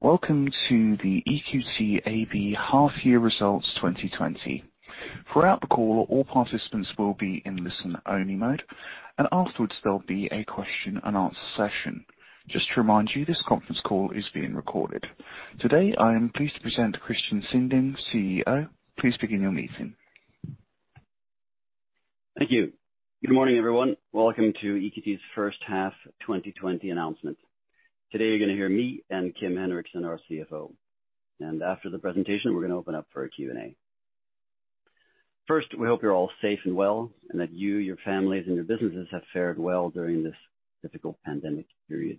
Welcome to the EQT AB half-year results 2020. Throughout the call, all participants will be in listen-only mode, and afterwards there'll be a question and answer session. Just to remind you, this conference call is being recorded. Today, I am pleased to present Christian Sinding, CEO. Please begin your meeting. Thank you. Good morning, everyone. Welcome to EQT's first half 2020 announcement. Today you're gonna hear me and Kim Henriksson, our CFO. After the presentation, we're gonna open up for a Q&A. First, we hope you're all safe and well, and that you, your families, and your businesses have fared well during this difficult pandemic period.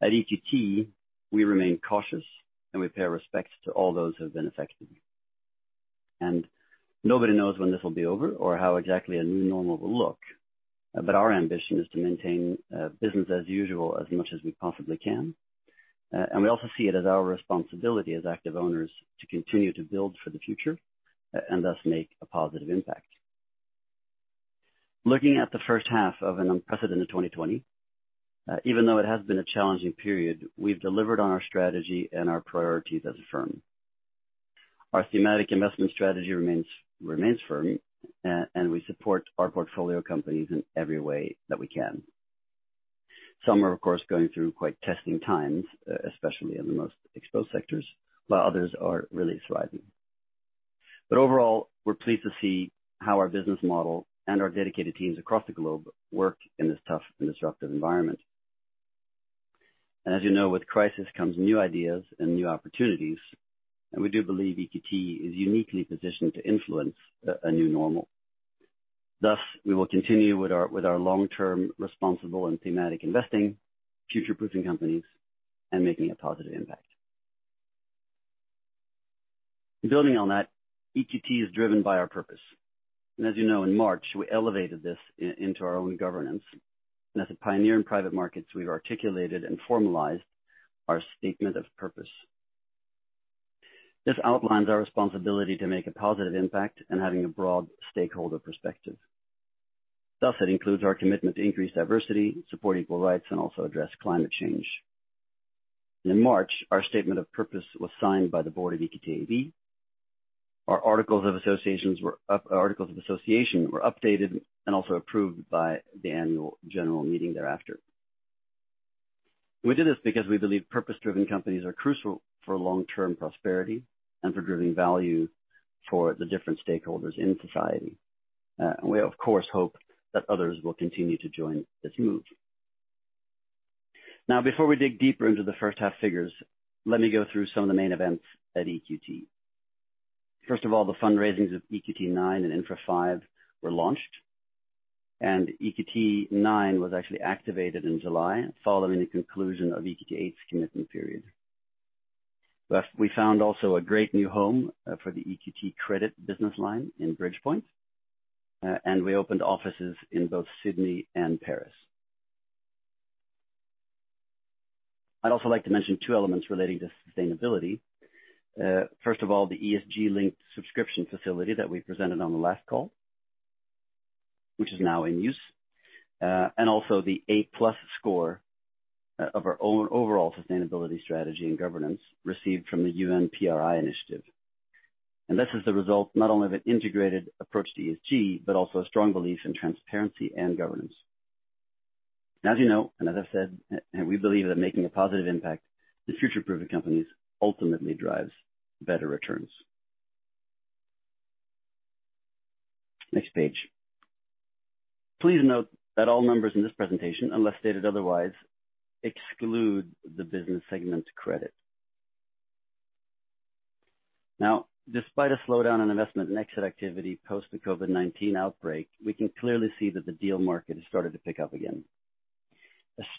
At EQT, we remain cautious, and we pay our respects to all those who have been affected. Nobody knows when this will be over or how exactly a new normal will look. Our ambition is to maintain business as usual as much as we possibly can. We also see it as our responsibility as active owners to continue to build for the future and thus make a positive impact. Looking at the first half of an unprecedented 2020, even though it has been a challenging period, we've delivered on our strategy and our priorities as a firm. Our thematic investment strategy remains firm, and we support our portfolio companies in every way that we can. Some are, of course, going through quite testing times, especially in the most exposed sectors, while others are really thriving. Overall, we're pleased to see how our business model and our dedicated teams across the globe work in this tough and disruptive environment. As you know, with crisis comes new ideas and new opportunities, and we do believe EQT is uniquely positioned to influence a new normal. Thus, we will continue with our long-term responsible and thematic investing, future-proofing companies, and making a positive impact. Building on that, EQT is driven by our purpose. As you know, in March, we elevated this into our own governance. As a pioneer in private markets, we've articulated and formalized our statement of purpose. This outlines our responsibility to make a positive impact and having a broad stakeholder perspective. Thus, it includes our commitment to increase diversity, support equal rights, and also address climate change. In March, our statement of purpose was signed by the board of EQT AB. Our articles of association were updated and also approved by the annual general meeting thereafter. We did this because we believe purpose-driven companies are crucial for long-term prosperity and for driving value for the different stakeholders in society. We, of course, hope that others will continue to join this move. Now, before we dig deeper into the first half figures, let me go through some of the main events at EQT. First of all, the fundraisings of EQT IX and Infra V were launched, and EQT IX was actually activated in July following the conclusion of EQT VIII commitment period. Plus we found also a great new home, for the EQT credit business line in Bridgepoint, and we opened offices in both Sydney and Paris. I'd also like to mention two elements relating to sustainability. First of all, the ESG-linked subscription facility that we presented on the last call, which is now in use, and also the A+ score, of our own overall sustainability strategy and governance received from the UN PRI initiative. This is the result not only of an integrated approach to ESG, but also a strong belief in transparency and governance. As you know, and as I've said, we believe that making a positive impact in future-proofing companies ultimately drives better returns. Next page. Please note that all numbers in this presentation, unless stated otherwise, exclude the business segment credit. Now, despite a slowdown in investment and exit activity post the COVID-19 outbreak, we can clearly see that the deal market has started to pick up again,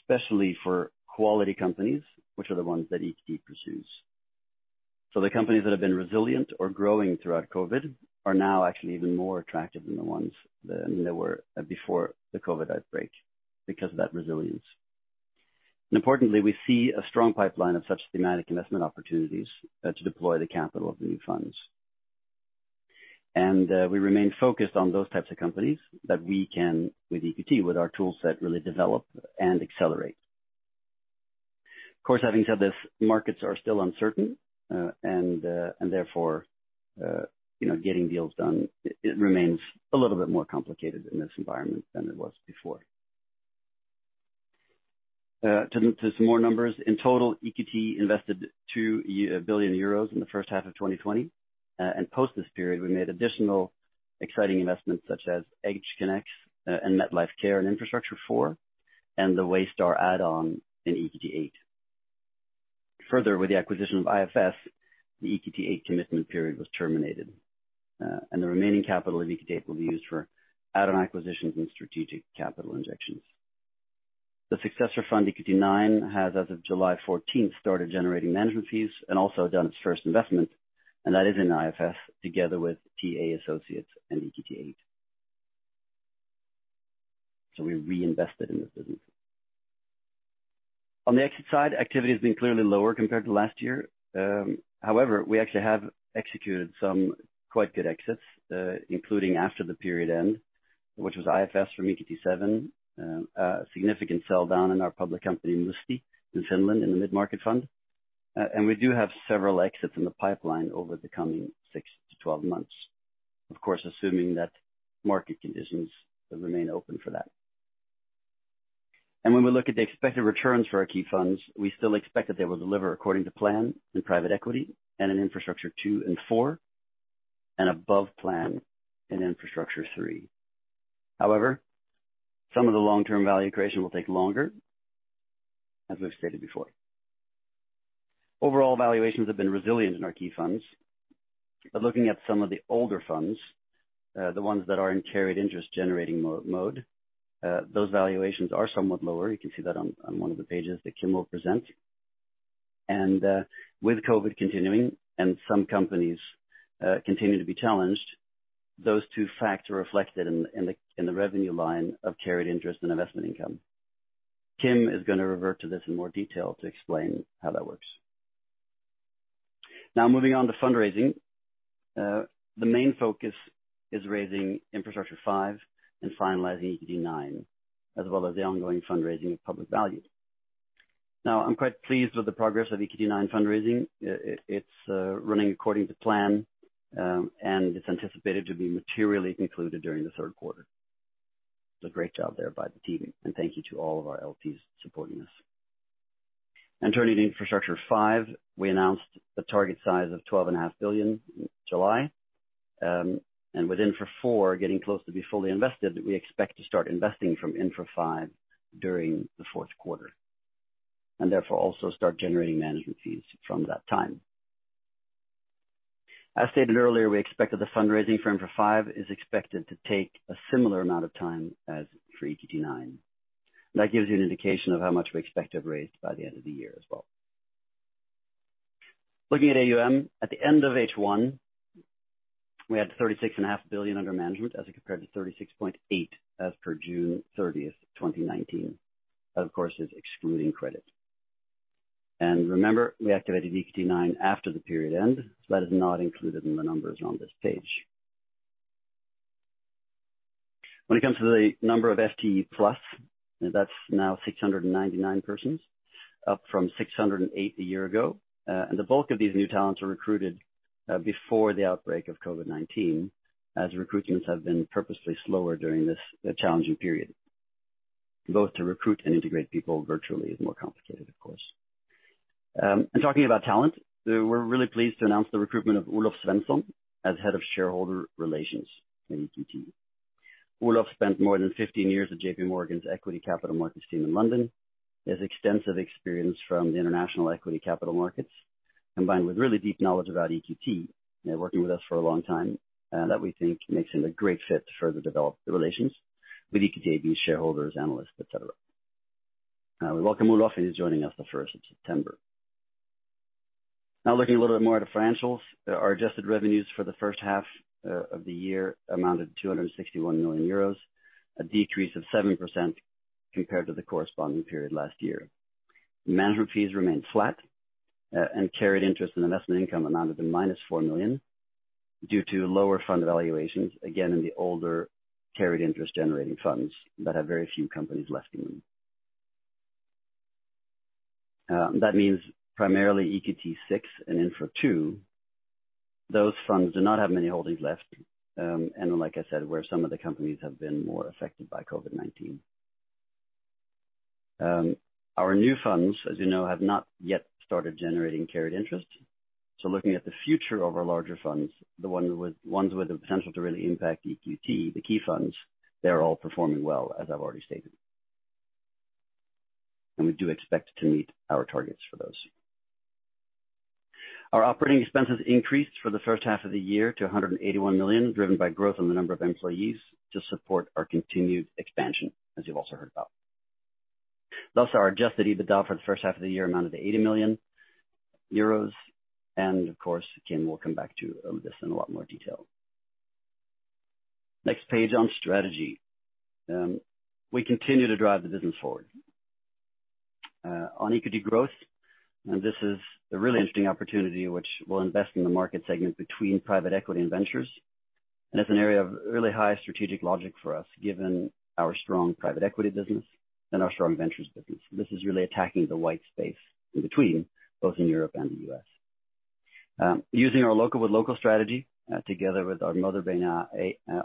especially for quality companies, which are the ones that EQT pursues. The companies that have been resilient or growing throughout COVID are now actually even more attractive than the ones they were before the COVID outbreak because of that resilience. Importantly, we see a strong pipeline of such thematic investment opportunities to deploy the capital of the new funds. We remain focused on those types of companies that we can, with EQT, with our tool set, really develop and accelerate. Of course, having said this, markets are still uncertain, and therefore, you know, getting deals done, it remains a little bit more complicated in this environment than it was before. To some more numbers. In total, EQT invested 2 billion euros in the first half of 2020. Post this period, we made additional exciting investments such as EdgeConneX and Metlifecare and Infrastructure IV, and the Waystar add-on in EQT VIII. Further, with the acquisition of IFS, the EQT VIII commitment period was terminated, and the remaining capital of EQT VIII will be used for add-on acquisitions and strategic capital injections. The successor fund, EQT IX, has as of July 14 started generating management fees and also done its first investment, and that is in IFS together with TA Associates and EQT VIII. We reinvested in this business. On the exit side, activity has been clearly lower compared to last year. However, we actually have executed some quite good exits, including after the period end, which was IFS from EQT VII, a significant sell down in our public company Musti in Finland in the mid-market fund. We do have several exits in the pipeline over the coming 6-12 months. Of course, assuming that market conditions will remain open for that. When we look at the expected returns for our key funds, we still expect that they will deliver according to plan in Private Equity and in Infrastructure II and IV, and above plan in Infrastructure III. However, some of the long-term value creation will take longer, as we've stated before. Overall valuations have been resilient in our key funds. Looking at some of the older funds, the ones that are in carried interest generating mode, those valuations are somewhat lower. You can see that on one of the pages that Kim will present. With COVID continuing and some companies continue to be challenged, those two facts are reflected in the revenue line of carried interest and investment income. Kim is gonna revert to this in more detail to explain how that works. Now, moving on to fundraising. The main focus is raising EQT Infrastructure V and finalizing EQT IX, as well as the ongoing fundraising of EQT Public Value. Now I'm quite pleased with the progress of EQT IX fundraising. It's running according to plan, and it's anticipated to be materially concluded during the third quarter. It's a great job there by the team, and thank you to all of our LPs supporting us. Turning to EQT Infrastructure V, we announced a target size of 12.5 billion in July. With EQT Infrastructure IV getting close to be fully invested, we expect to start investing from EQT Infrastructure V during the fourth quarter, and therefore also start generating management fees from that time. As stated earlier, we expect that the fundraising for EQT Infrastructure V is expected to take a similar amount of time as for EQT IX. That gives you an indication of how much we expect to have raised by the end of the year as well. Looking at AUM at the end of H1, we had 36.5 billion under management as compared to 36.8 billion as per June 30, 2019. That, of course, is excluding credit. Remember, we activated EQT IX after the period end, so that is not included in the numbers on this page. When it comes to the number of FTE plus, that's now 699 persons, up from 608 a year ago. The bulk of these new talents are recruited before the outbreak of COVID-19, as recruitments have been purposely slower during this challenging period. Both to recruit and integrate people virtually is more complicated, of course. Talking about talent, we're really pleased to announce the recruitment of Olof Svensson as Head of Shareholder Relations at EQT. Olof spent more than 15 years at JPMorgan's equity capital markets team in London. He has extensive experience from the international equity capital markets, combined with really deep knowledge about EQT, working with us for a long time that we think makes him a great fit to further develop the relations with EQT AB shareholders, analysts, et cetera. We welcome Olof, he's joining us the first of September. Now looking a little bit more at the financials. Our adjusted revenues for the first half of the year amounted to 261 million euros, a decrease of 7% compared to the corresponding period last year. Management fees remained flat, and carried interest and investment income amounted to -4 million due to lower fund valuations, again, in the older carried interest generating funds that have very few companies left in them. That means primarily EQT VI and Infra II. Those funds do not have many holdings left, and like I said, where some of the companies have been more affected by COVID-19. Our new funds, as you know, have not yet started generating carried interest. So looking at the future of our larger funds, ones with the potential to really impact EQT, the key funds, they're all performing well, as I've already stated. We do expect to meet our targets for those. Our operating expenses increased for the first half of the year to 181 million, driven by growth in the number of employees to support our continued expansion, as you've also heard about. Thus our adjusted EBITDA for the first half of the year amounted to 80 million euros, and of course, Kim will come back to this in a lot more detail. Next page on strategy. We continue to drive the business forward. On EQT Growth, this is a really interesting opportunity which will invest in the market segment between private equity and ventures. It's an area of really high strategic logic for us, given our strong private equity business and our strong ventures business. This is really attacking the white space in between, both in Europe and the U.S. Using our local-with-local strategy, together with our Motherbrain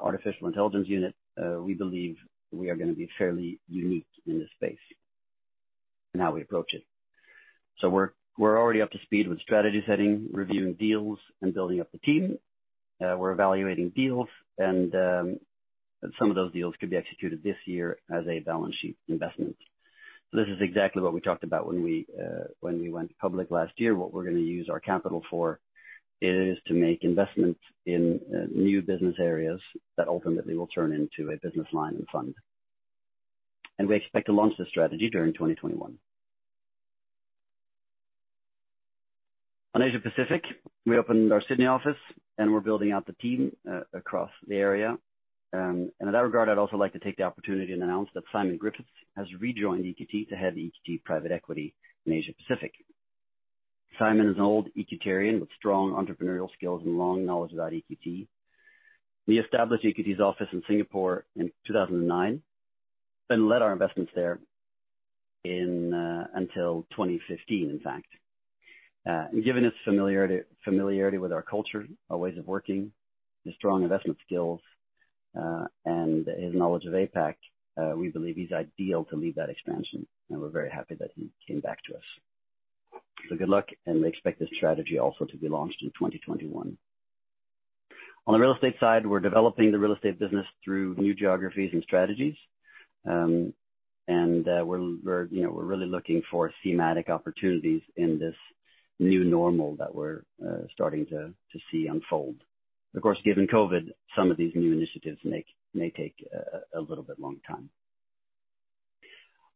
artificial intelligence unit, we believe we are gonna be fairly unique in this space in how we approach it. We're already up to speed with strategy setting, reviewing deals, and building up the team. We're evaluating deals and some of those deals could be executed this year as a balance sheet investment. This is exactly what we talked about when we went public last year. What we're gonna use our capital for is to make investments in new business areas that ultimately will turn into a business line and fund. We expect to launch this strategy during 2021. On Asia Pacific, we opened our Sydney office, and we're building out the team across the area. In that regard, I'd also like to take the opportunity and announce that Simon Griffiths has rejoined EQT to head EQT Private Equity in Asia Pacific. Simon is an old EQTarian with strong entrepreneurial skills and long knowledge about EQT. He established EQT's office in Singapore in 2009, then led our investments there until 2015, in fact. Given his familiarity with our culture, our ways of working, his strong investment skills, and his knowledge of APAC, we believe he's ideal to lead that expansion, and we're very happy that he came back to us. Good luck, and we expect this strategy also to be launched in 2021. On the real estate side, we're developing the real estate business through new geographies and strategies. We're really looking for thematic opportunities in this new normal that we're starting to see unfold. Of course, given COVID, some of these new initiatives may take a little bit longer.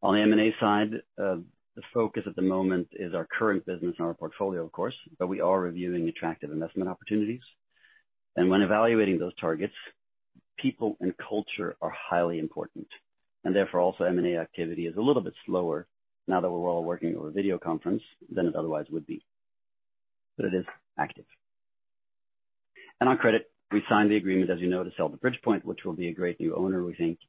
On the M&A side, the focus at the moment is our current business and our portfolio, of course, but we are reviewing attractive investment opportunities. When evaluating those targets, people and culture are highly important, and therefore, also M&A activity is a little bit slower now that we're all working over video conference than it otherwise would be. It is active. On credit, we signed the agreement, as you know, to sell to Bridgepoint, which will be a great new owner, we think.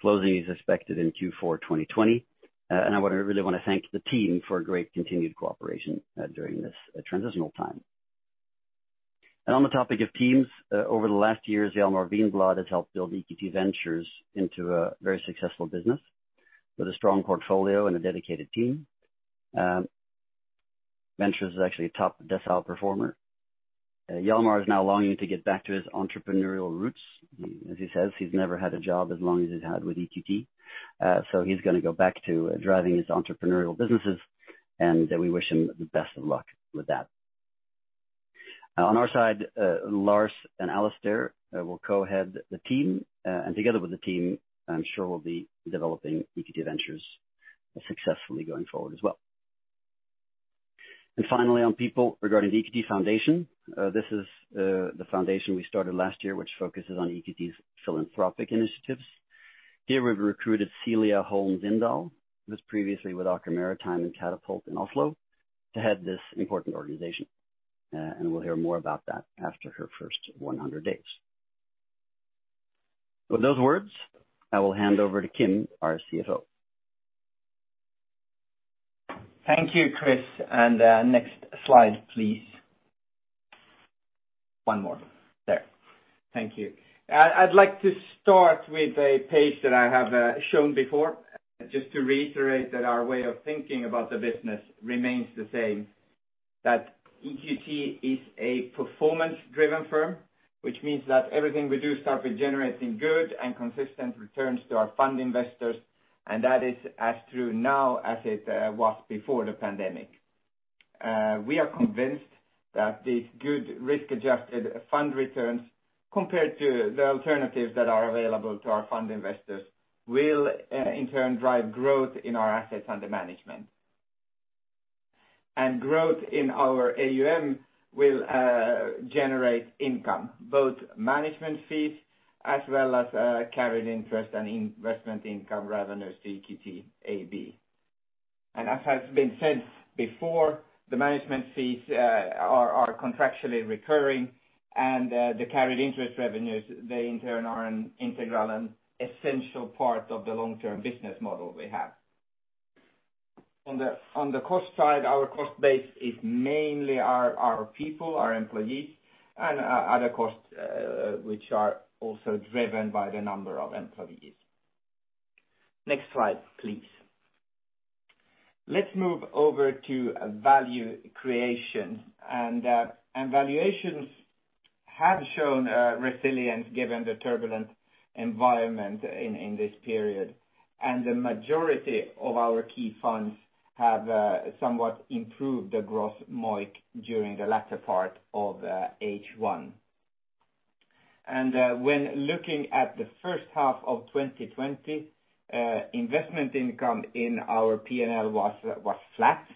Closing is expected in Q4 2020. I really wanna thank the team for great continued cooperation during this transitional time. On the topic of teams, over the last years, Hjalmar Winbladh has helped build EQT Ventures into a very successful business with a strong portfolio and a dedicated team. Ventures is actually a top decile performer. Hjalmar is now longing to get back to his entrepreneurial roots. As he says, he's never had a job as long as he's had with EQT. He's gonna go back to driving his entrepreneurial businesses, and we wish him the best of luck with that. On our side, Lars and Alastair will co-head the team, and together with the team, I'm sure we'll be developing EQT Ventures successfully going forward as well. Finally, on people regarding the EQT Foundation, this is the foundation we started last year, which focuses on EQT's philanthropic initiatives. Here we've recruited Cilia Holmes Indahl, who was previously with Aker BioMarine and Katapult Group in Oslo, to head this important organization. We'll hear more about that after her first 100 days. With those words, I will hand over to Kim, our CFO. Thank you, Chris. Next slide, please. One more. There. Thank you. I'd like to start with a page that I have shown before, just to reiterate that our way of thinking about the business remains the same, that EQT is a performance-driven firm, which means that everything we do starts with generating good and consistent returns to our fund investors, and that is as true now as it was before the pandemic. We are convinced that the good risk-adjusted fund returns compared to the alternatives that are available to our fund investors will, in turn, drive growth in our assets under management. Growth in our AUM will generate income, both management fees as well as carried interest and investment income revenues to EQT AB. As has been said before, the management fees are contractually recurring and the carried interest revenues, they in turn are an integral and essential part of the long-term business model we have. On the cost side, our cost base is mainly our people, our employees, and other costs, which are also driven by the number of employees. Next slide, please. Let's move over to value creation and valuations have shown resilience given the turbulent environment in this period. The majority of our key funds have somewhat improved the gross MOIC during the latter part of H1. When looking at the first half of 2020, investment income in our P&L was flat.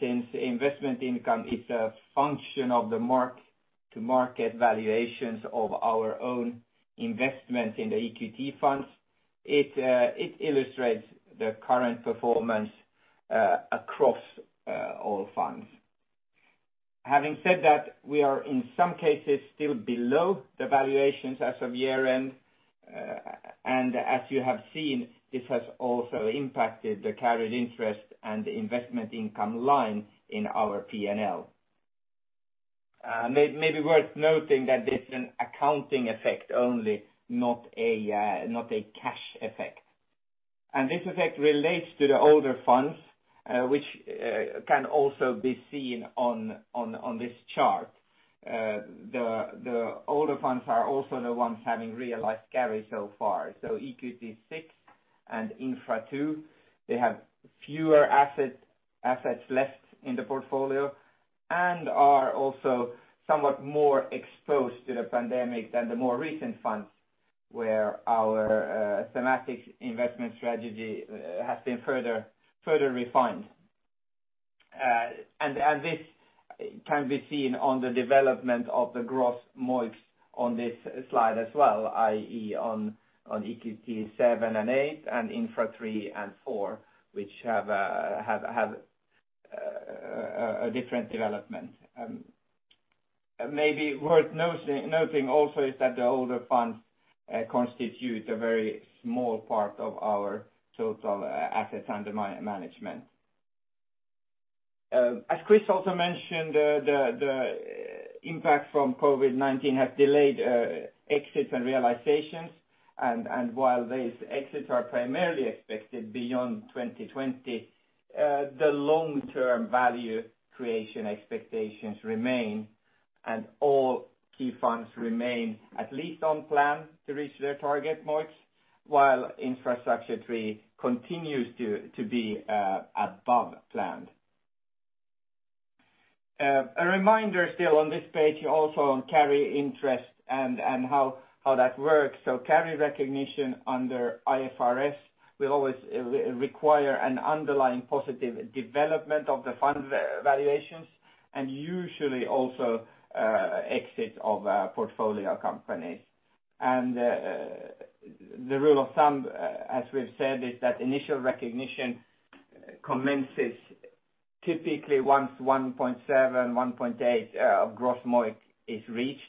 Since investment income is a function of the mark-to-market valuations of our own investments in the EQT funds, it illustrates the current performance across all funds. Having said that, we are in some cases still below the valuations as of year-end. As you have seen, this has also impacted the carried interest and investment income line in our P&L. It may be worth noting that this is an accounting effect only, not a cash effect. This effect relates to the older funds, which can also be seen on this chart. The older funds are also the ones having realized carry so far. EQT VI and Infra II have fewer assets left in the portfolio and are also somewhat more exposed to the pandemic than the more recent funds, where our thematic investment strategy has been further refined. This can be seen on the development of the gross MOIC on this slide as well, i.e., on EQT VII and VIII and Infra III and IV, which have a different development. Maybe worth noting also is that the older funds constitute a very small part of our total assets under management. As Chris also mentioned, the impact from COVID-19 has delayed exits and realizations. While these exits are primarily expected beyond 2020, the long-term value creation expectations remain, and all key funds remain at least on plan to reach their target MOICs, while Infrastructure III continues to be above planned. A reminder still on this page also on carry interest and how that works. Carry recognition under IFRS will always require an underlying positive development of the fund valuations, and usually also exit of portfolio companies. The rule of thumb, as we've said, is that initial recognition commences typically once 1.7-1.8 of gross MOIC is reached,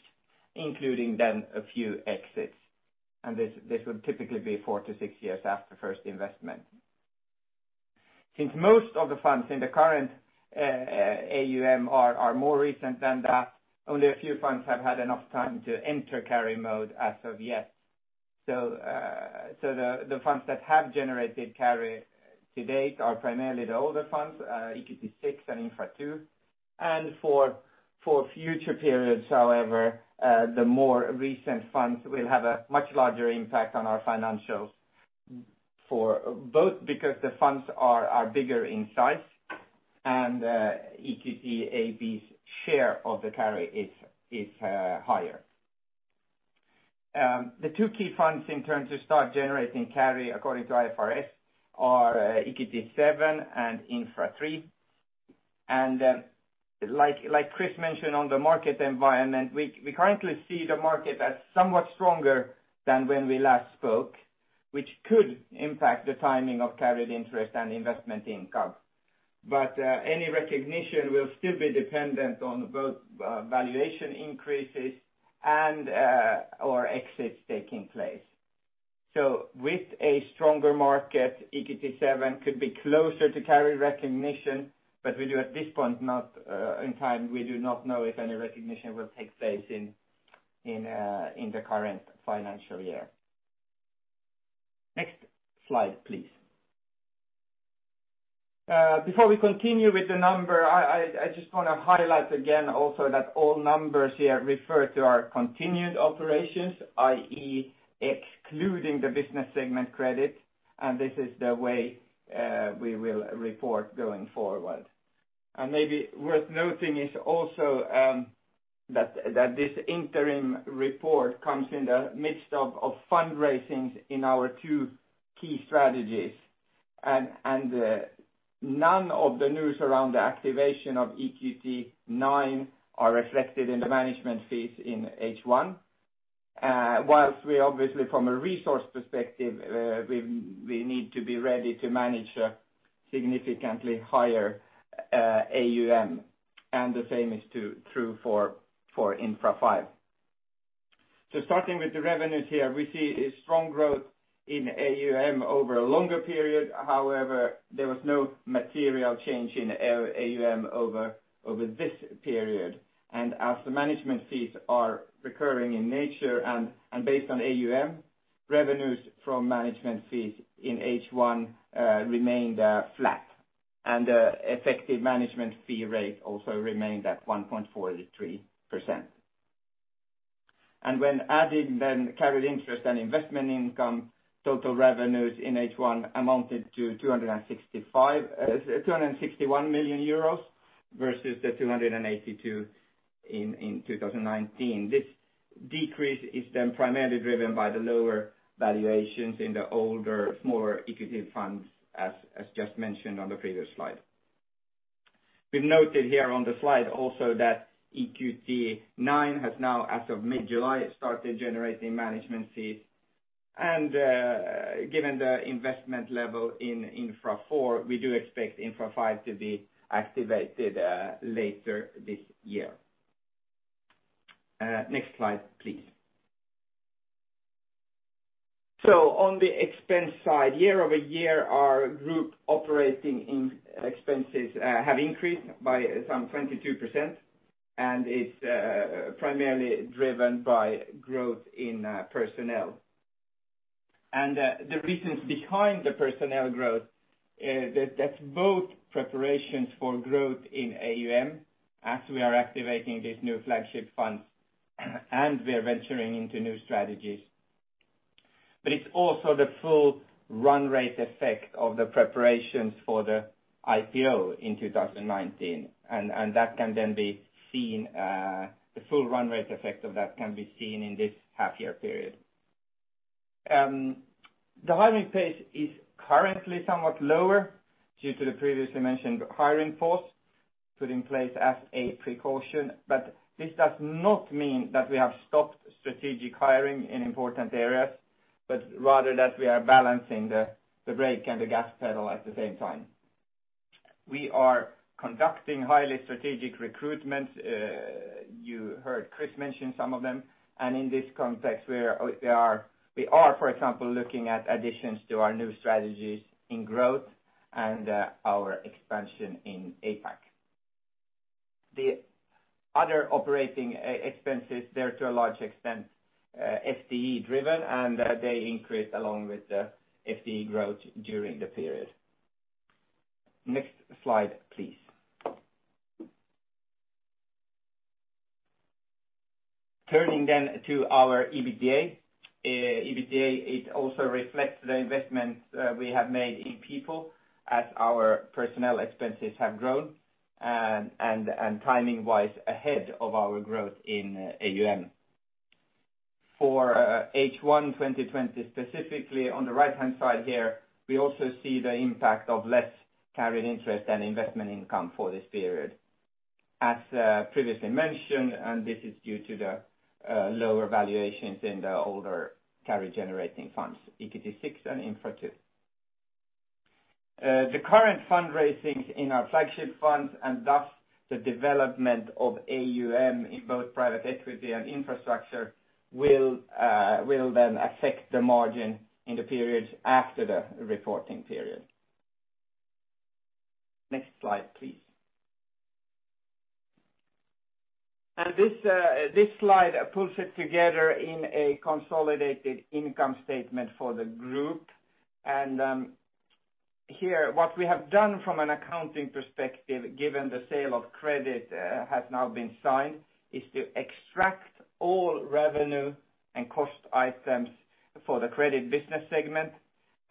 including then a few exits. This would typically be 4-6 years after first investment. Since most of the funds in the current AUM are more recent than that, only a few funds have had enough time to enter carry mode as of yet. The funds that have generated carry to date are primarily the older funds, EQT VI and Infrastructure II. For future periods, however, the more recent funds will have a much larger impact on our financials for both because the funds are bigger in size and EQT AB's share of the carry is higher. The two key funds in turn to start generating carry according to IFRS are EQT VII and Infrastructure III. Like Chris mentioned on the market environment, we currently see the market as somewhat stronger than when we last spoke, which could impact the timing of carried interest and investment income. Any recognition will still be dependent on both valuation increases and or exits taking place. With a stronger market, EQT VII could be closer to carry recognition, but at this point in time, we do not know if any recognition will take place in the current financial year. Next slide, please. Before we continue with the number, I just wanna highlight again also that all numbers here refer to our continued operations, i.e., excluding the business segment credit, and this is the way we will report going forward. Maybe worth noting is also that this interim report comes in the midst of fundraisings in our two key strategies. None of the news around the activation of EQT IX are reflected in the management fees in H1. While we obviously from a resource perspective, we need to be ready to manage a significantly higher AUM, and the same is true for Infra V. Starting with the revenues here, we see a strong growth in AUM over a longer period. However, there was no material change in AUM over this period. As the management fees are recurring in nature and based on AUM, revenues from management fees in H1 remained flat. Effective management fee rate also remained at 1.43%. When adding then carried interest and investment income, total revenues in H1 amounted to 261 million euros versus the 282 million in 2019. This decrease is then primarily driven by the lower valuations in the older, smaller equity funds, as just mentioned on the previous slide. We've noted here on the slide also that EQT IX has now, as of mid-July, started generating management fees. Given the investment level in Infra IV, we do expect Infra V to be activated later this year. Next slide, please. On the expense side, year-over-year, our group operating expenses have increased by some 22%, and it's primarily driven by growth in personnel. The reasons behind the personnel growth, that's both preparations for growth in AUM as we are activating these new flagship funds and we are venturing into new strategies. It's also the full run rate effect of the preparations for the IPO in 2019. That can then be seen, the full run rate effect of that can be seen in this half year period. The hiring pace is currently somewhat lower due to the previously mentioned hiring pause put in place as a precaution. This does not mean that we have stopped strategic hiring in important areas, but rather that we are balancing the brake and the gas pedal at the same time. We are conducting highly strategic recruitment. You heard Chris mention some of them, and in this context we are, for example, looking at additions to our new strategies in growth and our expansion in APAC. The other operating expenses, they're to a large extent FTE driven, and they increased along with the FTE growth during the period. Next slide, please. Turning to our EBITDA. EBITDA it also reflects the investments we have made in people as our personnel expenses have grown and timing wise ahead of our growth in AUM. For H1 2020, specifically on the right-hand side here, we also see the impact of less carried interest and investment income for this period. As previously mentioned, and this is due to the lower valuations in the older carry generating funds, EQT VI and EQT Infrastructure II. The current fundraisings in our flagship funds and thus the development of AUM in both private equity and infrastructure will then affect the margin in the periods after the reporting period. Next slide, please. This slide pulls it together in a consolidated income statement for the group. Here, what we have done from an accounting perspective, given the sale of credit has now been signed, is to extract all revenue and cost items for the credit business segment,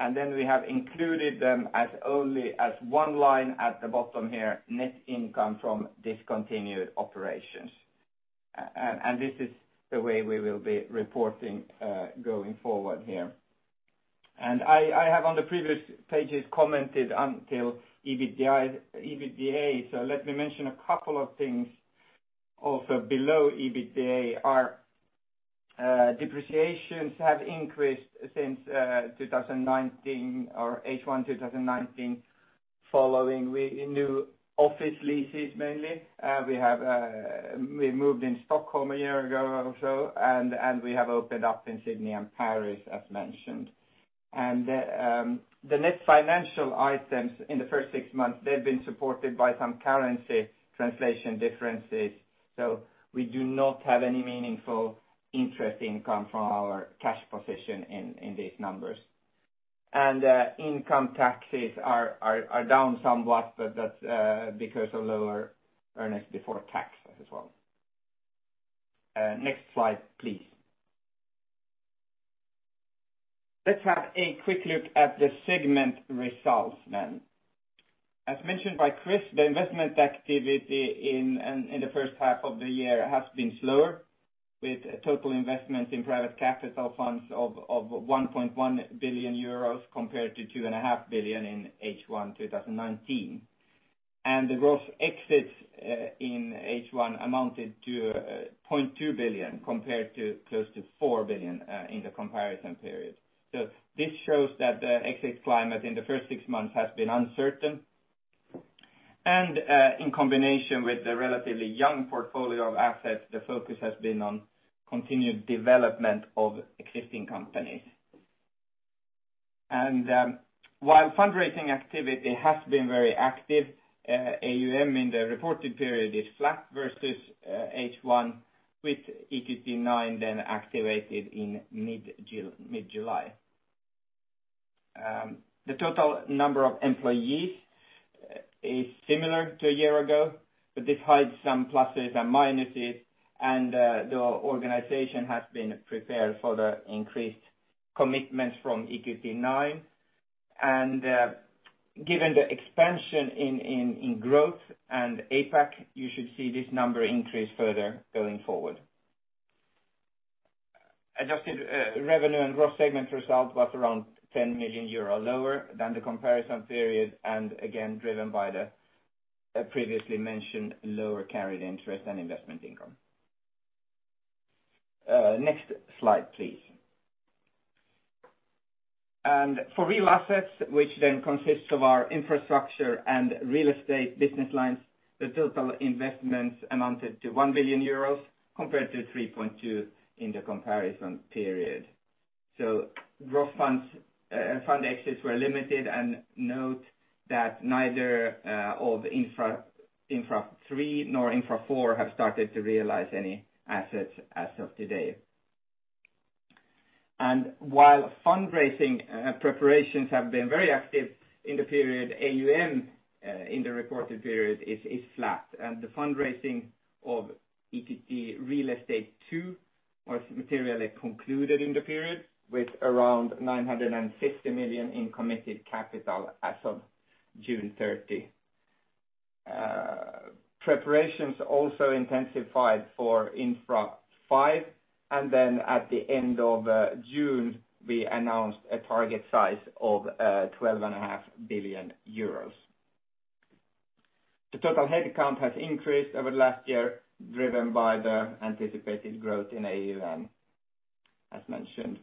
and then we have included them as only as one line at the bottom here, net income from discontinued operations. This is the way we will be reporting going forward here. I have on the previous pages commented until EBITDA, so let me mention a couple of things also below EBITDA. Our depreciations have increased since 2019 or H1 2019, following with new office leases mainly. We have moved in Stockholm a year ago or so and we have opened up in Sydney and Paris, as mentioned. The net financial items in the first six months, they've been supported by some currency translation differences, so we do not have any meaningful interest income from our cash position in these numbers. Income taxes are down somewhat, but that's because of lower earnings before tax as well. Next slide, please. Let's have a quick look at the segment results then. As mentioned by Chris, the investment activity in the first half of the year has been slower, with total investments in private capital funds of 1.1 billion euros compared to 2.5 billion in H1 2019. The gross exits in H1 amounted to 0.2 billion compared to close to 4 billion in the comparison period. This shows that the exit climate in the first six months has been uncertain. In combination with the relatively young portfolio of assets, the focus has been on continued development of existing companies. While fundraising activity has been very active, AUM in the reported period is flat versus H1 with EQT IX then activated in mid-July. The total number of employees is similar to a year ago, but this hides some pluses and minuses and the organization has been prepared for the increased commitments from EQT IX. Given the expansion in growth and APAC, you should see this number increase further going forward. Adjusted revenue and gross segment result was around 10 million euro lower than the comparison period, and again driven by the previously mentioned lower carried interest and investment income. Next slide, please. For Real Assets, which then consists of our infrastructure and real estate business lines, the total investments amounted to 1 billion euros compared to 3.2 billion in the comparison period. Gross funds and fund exits were limited, and note that neither of Infrastructure III nor Infrastructure IV have started to realize any assets as of today. While fundraising preparations have been very active in the period, AUM in the reported period is flat, and the fundraising of EQT Real Estate II was materially concluded in the period with around 950 million in committed capital as of June 30. Preparations also intensified for Infrastructure V, and then at the end of June, we announced a target size of 12.5 billion euros. The total head count has increased over last year, driven by the anticipated growth in AUM, as mentioned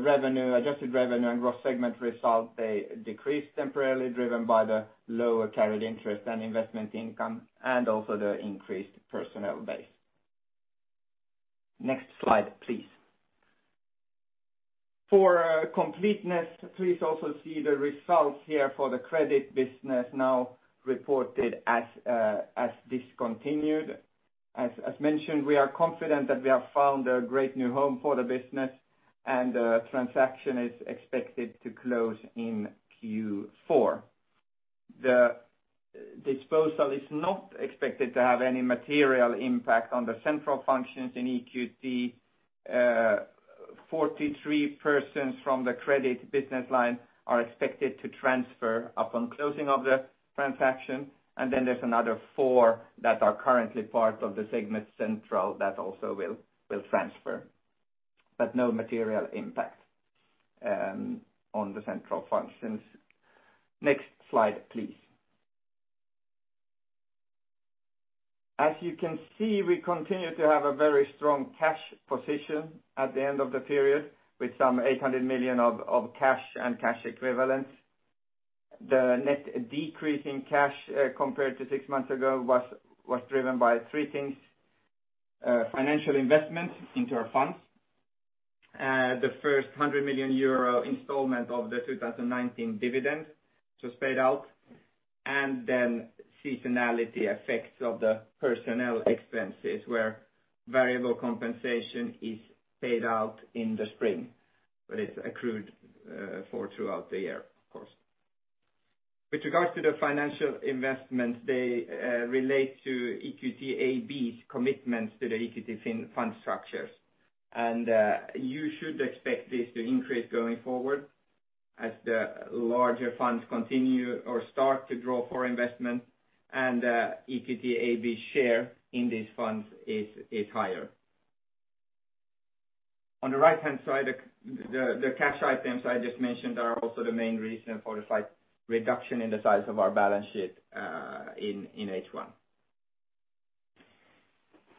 revenue. Adjusted revenue and growth segment results, they decreased temporarily, driven by the lower carried interest and investment income and also the increased personnel base. Next slide, please. For completeness, please also see the results here for the credit business now reported as discontinued. As mentioned, we are confident that we have found a great new home for the business and the transaction is expected to close in Q4. The disposal is not expected to have any material impact on the central functions in EQT. 43 persons from the credit business line are expected to transfer upon closing of the transaction, and then there's another four that are currently part of the segment central that also will transfer. But no material impact on the central functions. Next slide, please. As you can see, we continue to have a very strong cash position at the end of the period, with some 800 million of cash and cash equivalents. The net decrease in cash compared to six months ago was driven by three things, financial investment into our funds, the first 100 million euro installment of the 2019 dividend was paid out, and then seasonality effects of the personnel expenses, where variable compensation is paid out in the spring, but it's accrued for throughout the year, of course. With regards to the financial investments, they relate to EQT AB's commitments to the EQT fund structures. You should expect this to increase going forward as the larger funds continue or start to draw for investment and EQT AB's share in these funds is higher. On the right-hand side, the cash items I just mentioned are also the main reason for the slight reduction in the size of our balance sheet in H1.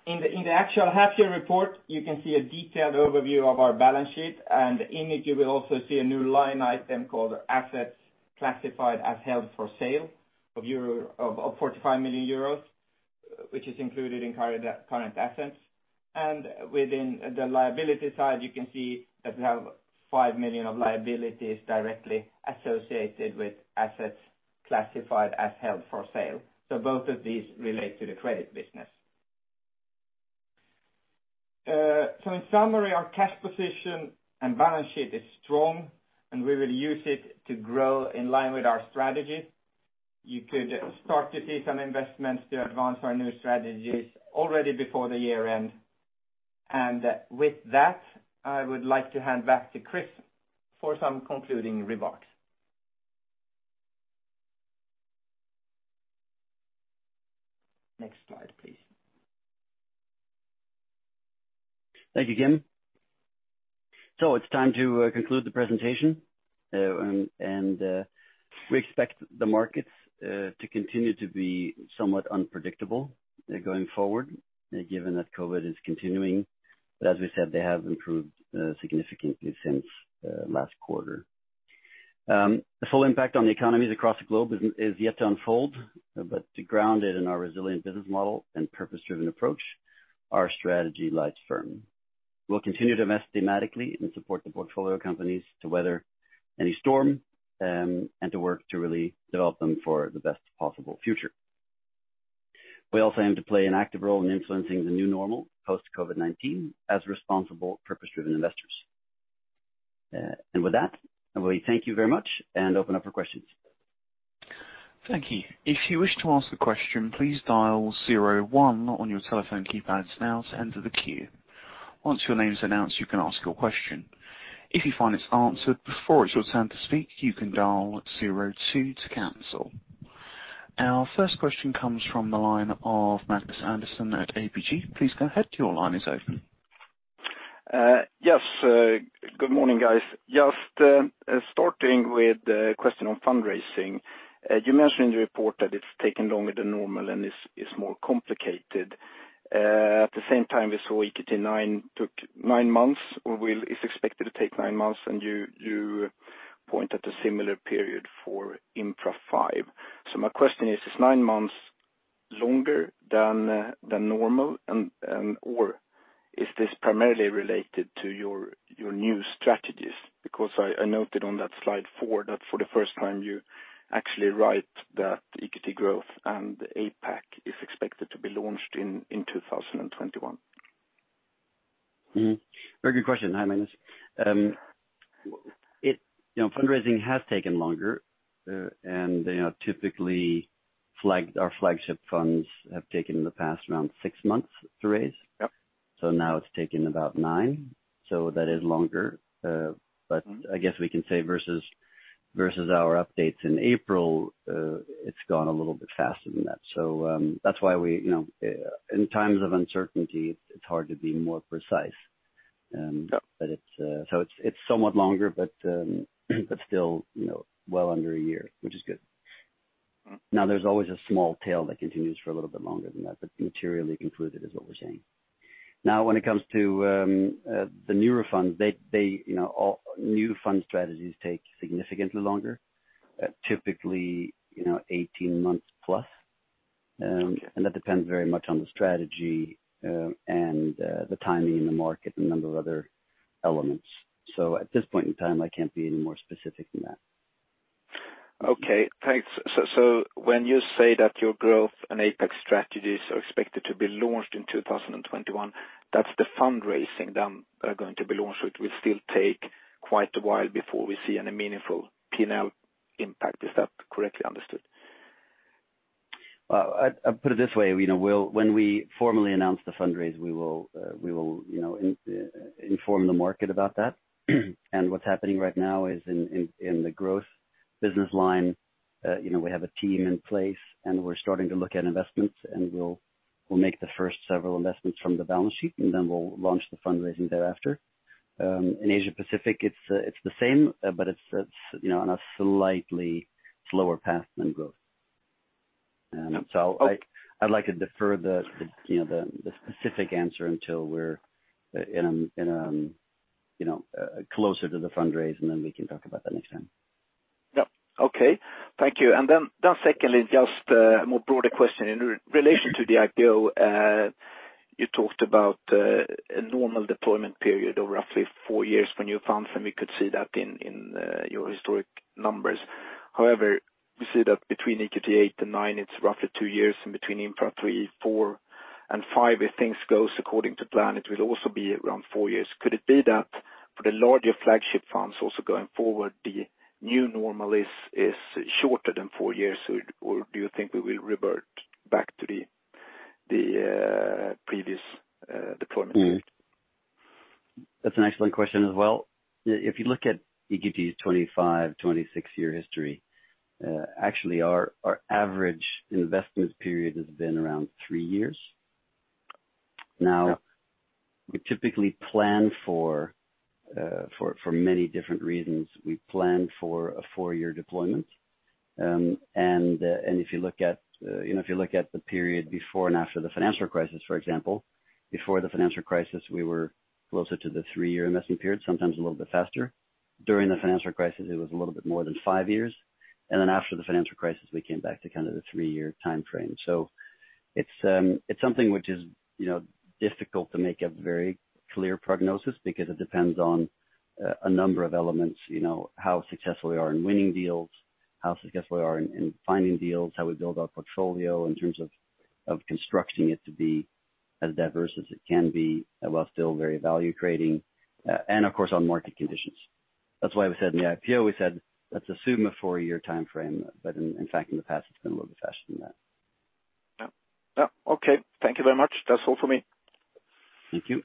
In the actual half year report, you can see a detailed overview of our balance sheet, and in it, you will also see a new line item called Assets Classified as Held for Sale of 45 million euros, which is included in current assets. Within the liability side, you can see that we have 5 million of liabilities directly associated with assets classified as held for sale. Both of these relate to the credit business. In summary, our cash position and balance sheet is strong, and we will use it to grow in line with our strategy. You could start to see some investments to advance our new strategies already before the year end. With that, I would like to hand back to Chris for some concluding remarks. Next slide, please. Thank you, Kim. It's time to conclude the presentation. We expect the markets to continue to be somewhat unpredictable going forward, given that COVID is continuing. As we said, they have improved significantly since last quarter. The full impact on the economies across the globe is yet to unfold, but grounded in our resilient business model and purpose-driven approach, our strategy lies firm. We'll continue to invest thematically and support the portfolio companies to weather any storm and to work to really develop them for the best possible future. We also aim to play an active role in influencing the new normal post-COVID-19 as responsible, purpose-driven investors. With that, I will thank you very much and open up for questions. Thank you. If you wish to ask a question, please dial zero one on your telephone keypads now to enter the queue. Once your name is announced, you can ask your question. If you find it's answered before it's your turn to speak, you can dial zero two to cancel. Our first question comes from the line of Magnus Andersson at ABG. Please go ahead, your line is open. Good morning, guys. Just starting with a question on fundraising. You mentioned in the report that it's taken longer than normal and is more complicated. At the same time, we saw EQT IX took nine months or is expected to take nine months, and you point at a similar period for Infra V. My question is nine months longer than normal, or is this primarily related to your new strategies? Because I noted on that slide four that for the first time you actually write that EQT Growth and APAC is expected to be launched in 2021. Very good question. Hi, Magnus. You know, fundraising has taken longer, and, you know, typically, our flagship funds have taken in the past around six months to raise. Now it's taken about nine, so that is longer. But I guess we can say versus our updates in April, it's gone a little bit faster than that. That's why we, you know. In times of uncertainty, it's hard to be more precise. But it's. It's somewhat longer, but still, you know, well under a year, which is good. Now, there's always a small tail that continues for a little bit longer than that, but materially concluded is what we're saying. Now, when it comes to the newer funds, they you know new fund strategies take significantly longer, typically, you know, 18 months plus. And that depends very much on the strategy, and the timing in the market and a number of other elements. At this point in time, I can't be any more specific than that. Okay. Thanks. When you say that your growth and APAC strategies are expected to be launched in 2021, that's the fundraising then are going to be launched. It will still take quite a while before we see any meaningful P&L impact. Is that correctly understood? Well, I'd put it this way, you know, when we formally announce the fundraise, we will, you know, inform the market about that. What's happening right now is in the growth business line, you know, we have a team in place, and we're starting to look at investments, and we'll make the first several investments from the balance sheet, and then we'll launch the fundraising thereafter. In Asia-Pacific, it's the same, but it's, you know, on a slightly slower path than growth. I'd like to defer, you know, the specific answer until we're closer to the fundraise, and then we can talk about that next time. Yep. Okay. Thank you. Secondly, just a more broader question in relation to the IPO, you talked about a normal deployment period of roughly four years for new funds, and we could see that in your historic numbers. However, we see that between EQT VIII and IX, it's roughly two years. In between Infra III, IV, and V, if things goes according to plan, it will also be around four years. Could it be that for the larger flagship funds also going forward, the new normal is shorter than four years? Or do you think we will revert back to the previous deployment? That's an excellent question as well. If you look at EQT's 25-26 year history, actually, our average investment period has been around three years. Now, we typically plan for many different reasons, we plan for a four-year deployment. And if you look at, you know, if you look at the period before and after the financial crisis, for example, before the financial crisis, we were closer to the three-year investing period, sometimes a little bit faster. During the financial crisis, it was a little bit more than five years. After the financial crisis, we came back to kind of the three-year timeframe. It's something which is, you know, difficult to make a very clear prognosis because it depends on a number of elements. You know, how successful we are in winning deals, how successful we are in finding deals, how we build our portfolio in terms of constructing it to be as diverse as it can be, while still very value-creating, and of course, on market conditions. That's why we said in the IPO, we said, "Let's assume a four-year timeframe," but in fact, in the past it's been a little bit faster than that. Yep. Yep. Okay. Thank you very much. That's all for me. Thank you.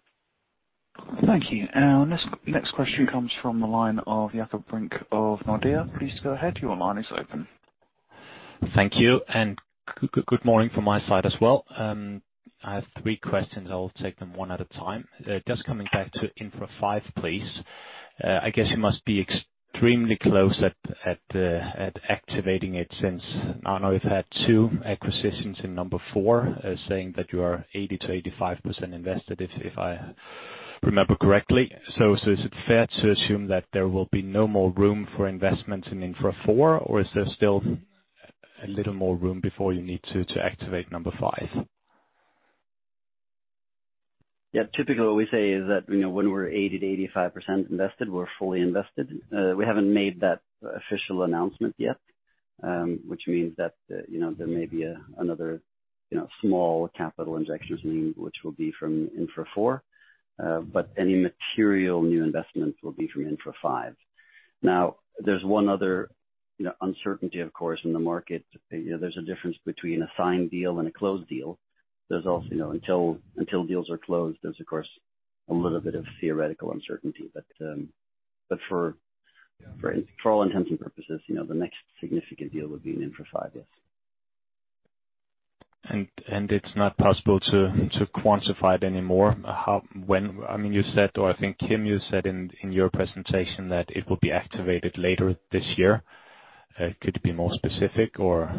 Thank you. Our next question comes from the line of Jakob Brink of Nordea. Please go ahead. Your line is open. Thank you. Good morning from my side as well. I have three questions. I'll take them one at a time. Just coming back to Infra 5, please. I guess you must be extremely close to activating it since I know you've had two acquisitions in number 4, saying that you are 80%-85% invested, if I remember correctly. Is it fair to assume that there will be no more room for investment in Infra 4? Or is there still a little more room before you need to activate number 5? Yeah. Typically, what we say is that, you know, when we're 80%-85% invested, we're fully invested. We haven't made that official announcement yet, which means that, you know, there may be another, you know, small capital injections we need, which will be from Infra 4. But any material new investments will be from Infra 5. Now, there's one other, you know, uncertainty, of course, in the market. You know, there's a difference between a signed deal and a closed deal. You know, until deals are closed, there's of course a little bit of theoretical uncertainty. For all intents and purposes, you know, the next significant deal would be in Infra 5, yes. It's not possible to quantify it anymore? I mean, you said, or I think, Kim, you said in your presentation that it will be activated later this year. Could it be more specific or?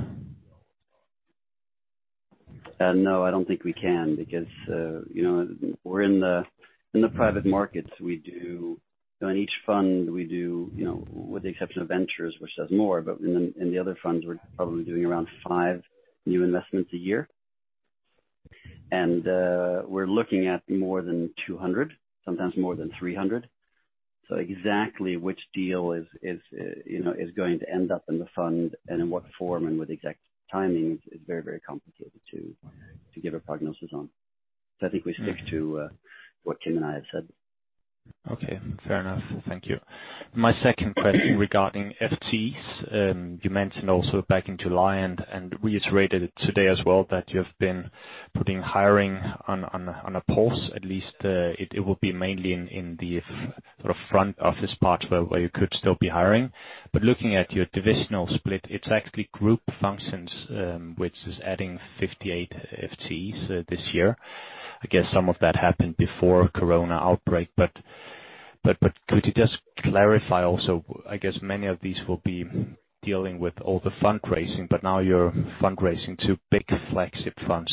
No, I don't think we can because, you know, we're in the private markets, we do. You know, in each fund, we do, you know, with the exception of ventures, which does more, but in the other funds, we're probably doing around five new investments a year. We're looking at more than 200, sometimes more than 300. Exactly which deal is going to end up in the fund and in what form and with exact timing is very complicated to give a prognosis on. I think we stick to what Kim and I have said before. Okay, fair enough. Thank you. My second question regarding FTEs. You mentioned also back in July and reiterated today as well that you have been putting hiring on a pause at least. It will be mainly in the front office part where you could still be hiring. Looking at your divisional split, it's actually group functions which is adding 58 FTEs this year. I guess some of that happened before COVID-19 outbreak, but could you just clarify also. I guess many of these will be dealing with all the fundraising, but now you're fundraising to pick a flagship fund.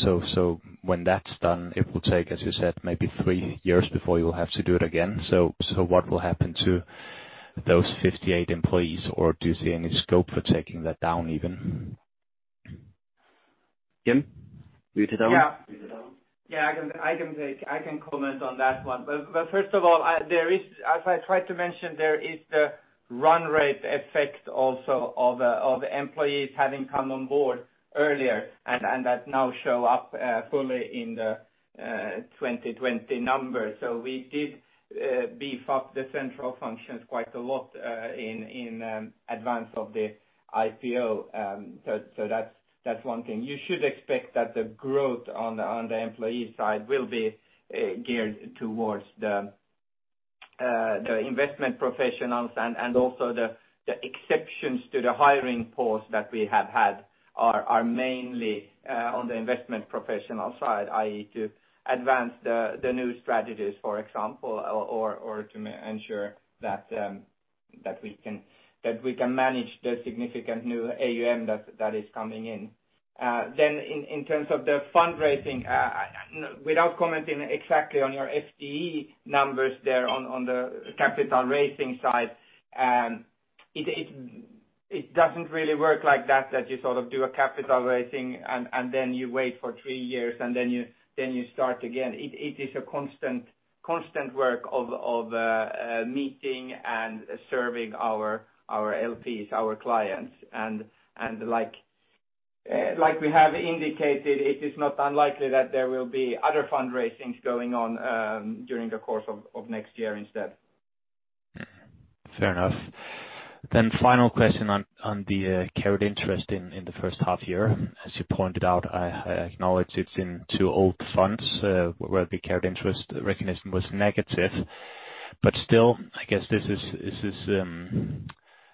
When that's done, it will take, as you said, maybe three years before you'll have to do it again. What will happen to those 58 employees, or do you see any scope for taking that down even? Kim, will you take that one? I can comment on that one. First of all, there is the run rate effect also of employees having come on board earlier and that now show up fully in the 2020 numbers. We did beef up the central functions quite a lot in advance of the IPO. That's one thing. You should expect that the growth on the employee side will be geared towards the investment professionals and also the exceptions to the hiring pause that we have had are mainly on the investment professional side, i.e. To advance the new strategies, for example, or to ensure that we can manage the significant new AUM that is coming in. Then in terms of the fundraising, without commenting exactly on your FTE numbers there on the capital raising side, it doesn't really work like that you sort of do a capital raising and then you wait for three years and then you start again. It is a constant work of meeting and serving our LPs, our clients. Like we have indicated, it is not unlikely that there will be other fundraisings going on during the course of next year instead. Fair enough. Final question on the carried interest in the first half year. As you pointed out, I acknowledge it's in two old funds where the carried interest recognition was negative. Still, I guess this is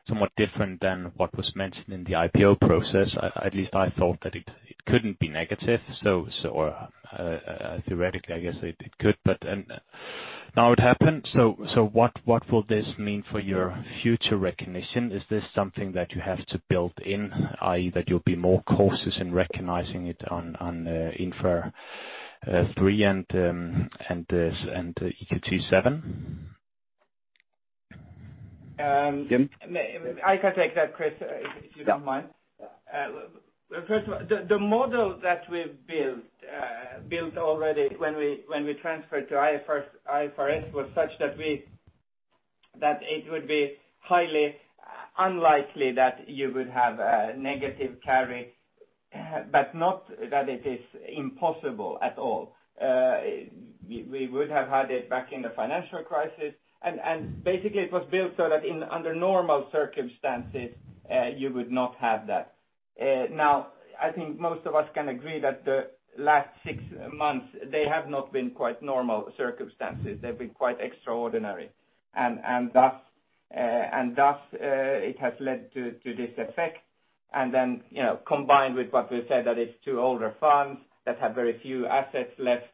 somewhat different than what was mentioned in the IPO process. At least I thought that it couldn't be negative. So. Or theoretically, I guess it could. But now it happened. So what will this mean for your future recognition? Is this something that you have to build in, i.e. that you'll be more cautious in recognizing it on Infra III and EQT VII? Kim? I can take that, Chris, if you don't mind. First of all, the model that we've built already when we transferred to IFRS was such that it would be highly unlikely that you would have a negative carry, but not that it is impossible at all. We would have had it back in the financial crisis. Basically it was built so that under normal circumstances you would not have that. Now, I think most of us can agree that the last six months they have not been quite normal circumstances. They've been quite extraordinary. Thus, it has led to this effect. You know, combined with what we've said, that it's two older funds that have very few assets left,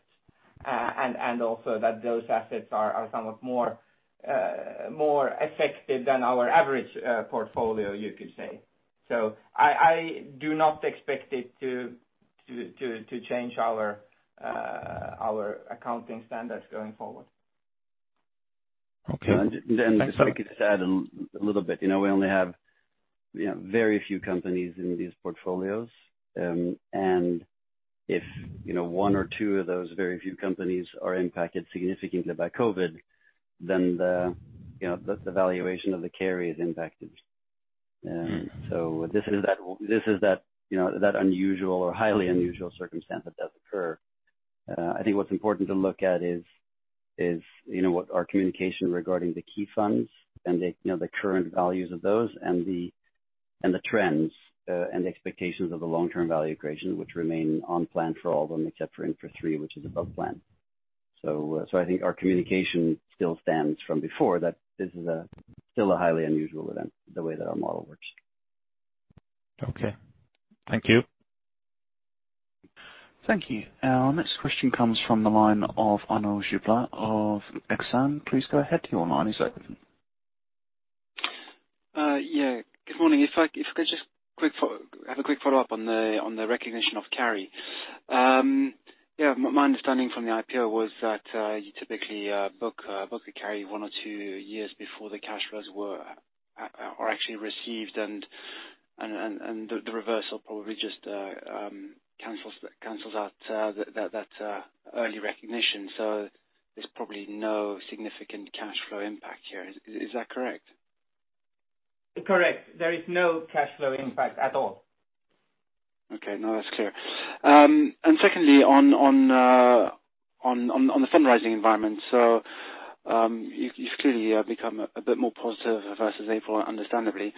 and also that those assets are somewhat more affected than our average portfolio, you could say. I do not expect it to change our accounting standards going forward. If I could add a little bit. You know, we only have, you know, very few companies in these portfolios. If, you know, one or two of those very few companies are impacted significantly by COVID, then, you know, the valuation of the carry is impacted. This is that, you know, that unusual or highly unusual circumstance that does occur. I think what's important to look at is, you know, what our communication regarding the key funds and the, you know, the current values of those and the, and the trends, and the expectations of the long-term value creation, which remain on plan for all of them except for Infra III, which is above plan. I think our communication still stands from before, that this is still a highly unusual event, the way that our model works. Okay. Thank you. Thank you. Our next question comes from the line of Arnaud Giblat of Exane. Please go ahead, your line is open. Yeah. Good morning. If I could just have a quick follow-up on the recognition of carry. Yeah, my understanding from the IPO was that you typically book a carry one or two years before the cash flows are actually received and the reversal probably just cancels out that early recognition. There's probably no significant cash flow impact here. Is that correct? Correct. There is no cash flow impact at all. Okay. No, that's clear. Secondly, on the fundraising environment. You've clearly become a bit more positive versus April, understandably.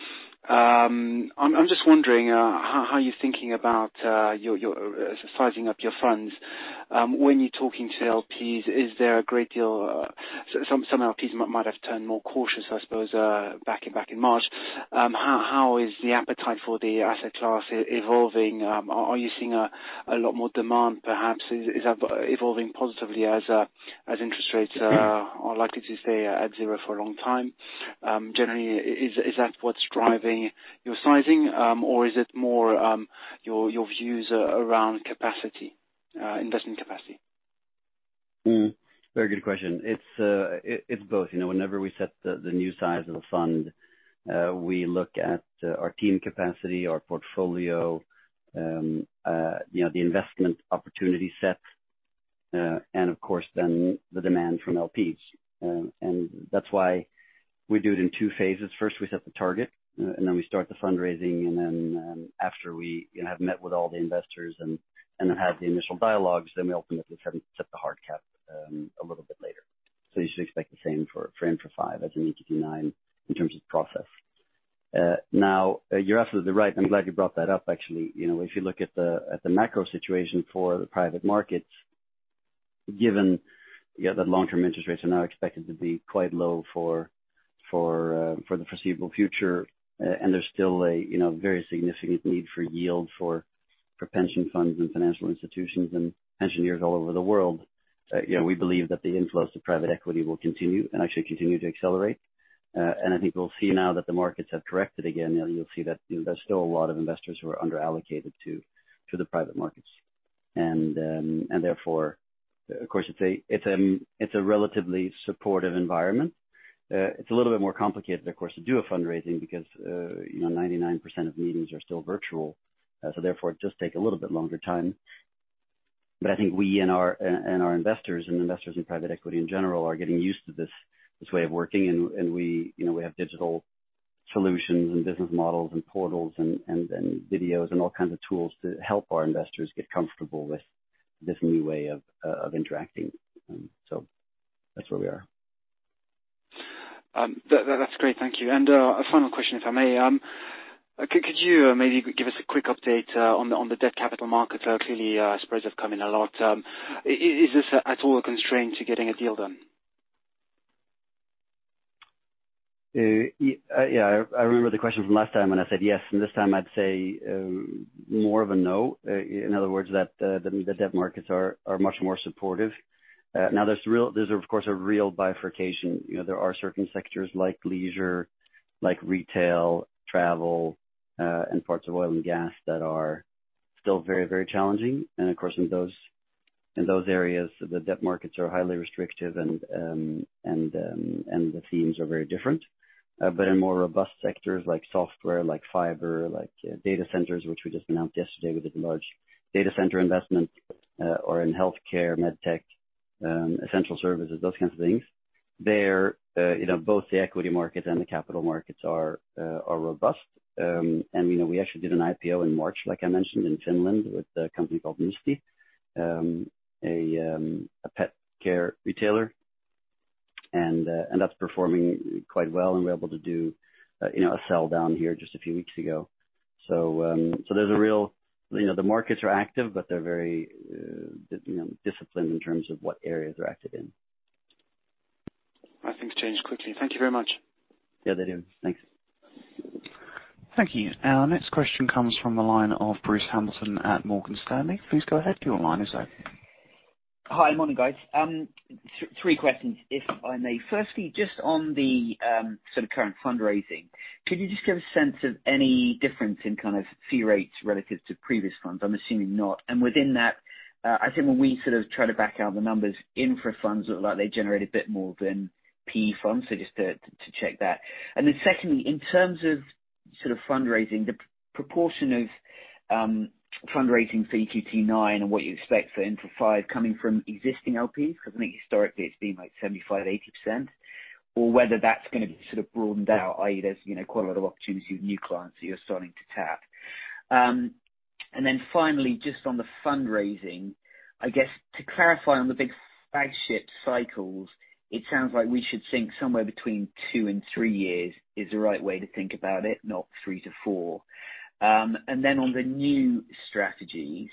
I'm just wondering how you're thinking about your sizing up your funds when you're talking to LPs, is there a great deal? Some LPs might have turned more cautious, I suppose, back in March. How is the appetite for the asset class evolving? Are you seeing a lot more demand perhaps? Is that evolving positively as interest rates are likely to stay at zero for a long time? Generally, is that what's driving your sizing, or is it more your views around capacity, investment capacity? Very good question. It's both, you know, whenever we set the new size of a fund, we look at our team capacity, our portfolio, you know, the investment opportunity set, and of course then the demand from LPs. That's why we do it in two phases. First, we set the target, and then we start the fundraising, and then, after we, you know, have met with all the investors and have had the initial dialogues, then we ultimately set the hard cap a little bit later. You should expect the same for Infra V as in EQT IX in terms of process. Now you're absolutely right. I'm glad you brought that up actually. You know, if you look at the macro situation for the private markets, given that long-term interest rates are now expected to be quite low for the foreseeable future, and there's still a you know, very significant need for yield for pension funds and financial institutions and pensioners all over the world. Yeah, we believe that the inflows to private equity will continue and actually continue to accelerate. I think we'll see now that the markets have corrected again. You'll see that there's still a lot of investors who are under-allocated to the private markets. Therefore, of course, it's a relatively supportive environment. It's a little bit more complicated, of course, to do a fundraising because you know, 99% of meetings are still virtual. Therefore it does take a little bit longer time. I think we and our investors and investors in private equity in general are getting used to this way of working. We, you know, we have digital solutions and business models and portals and videos and all kinds of tools to help our investors get comfortable with this new way of interacting. That's where we are. That's great. Thank you. A final question, if I may. Could you maybe give us a quick update on the debt capital markets? Clearly, spreads have come in a lot. Is this at all a constraint to getting a deal done? Yeah, I remember the question from last time when I said yes, and this time I'd say more of a no. In other words, the debt markets are much more supportive. Now, there's of course a real bifurcation. You know, there are certain sectors like leisure, like retail, travel, and parts of oil and gas that are still very challenging. Of course, in those areas, the debt markets are highly restrictive and the themes are very different. In more robust sectors like software, like fiber, like data centers, which we just announced yesterday, we did a large data center investment, or in healthcare, med tech, essential services, those kinds of things. You know, there both the equity markets and the capital markets are robust, you know, we actually did an IPO in March, like I mentioned, in Finland with a company called Musti Group, a pet care retailer. That's performing quite well, and we're able to do, you know, a sell-down here just a few weeks ago. There's a real you know, the markets are active, but they're very, you know, disciplined in terms of what areas they're active in. I think it's changed quickly. Thank you very much. Yeah, they do. Thanks. Thank you. Our next question comes from the line of Bruce Hamilton at Morgan Stanley. Please go ahead. Your line is open. Hi. Morning, guys. Three questions, if I may. Firstly, just on the sort of current fundraising, could you just give a sense of any difference in kind of fee rates relative to previous funds? I'm assuming not. Within that, I think when we sort of try to back out the numbers, Infra funds look like they generate a bit more than PE funds. Just to check that. Then secondly, in terms of sort of fundraising, the proportion of fundraising for EQT IX and what you expect for Infra V coming from existing LPs, because I think historically it's been like 75, 80%, or whether that's gonna be sort of broadened out, i.e., there's, you know, quite a lot of opportunity with new clients that you're starting to tap. Finally, just on the fundraising, I guess to clarify on the big flagship cycles, it sounds like we should think somewhere between two and three years is the right way to think about it, not three to four. On the new strategies,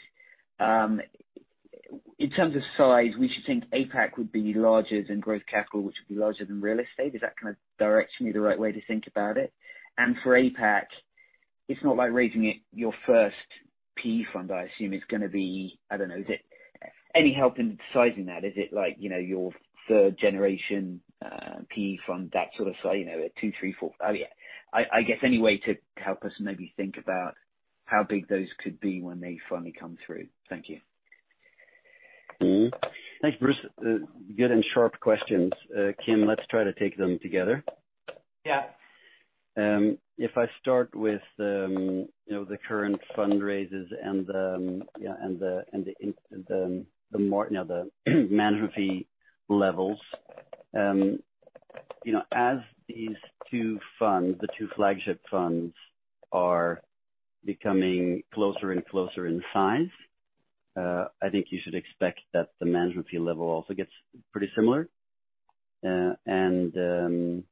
in terms of size, we should think APAC would be larger than growth capital, which would be larger than real estate. Is that kind of directionally the right way to think about it? For APAC, it's not like raising your first PE fund. I assume it's gonna be, I don't know, is it any help in sizing that? Is it like, you know, your third generation PE fund, that sort of, you know, two, three, four? Oh, yeah. I guess any way to help us maybe think about how big those could be when they finally come through. Thank you. Thanks, Bruce. Good and sharp questions. Kim, let's try to take them together. If I start with the current fundraisers and the management fee levels. You know, as these two funds, the two flagship funds are becoming closer and closer in size, I think you should expect that the management fee level also gets pretty similar. I'm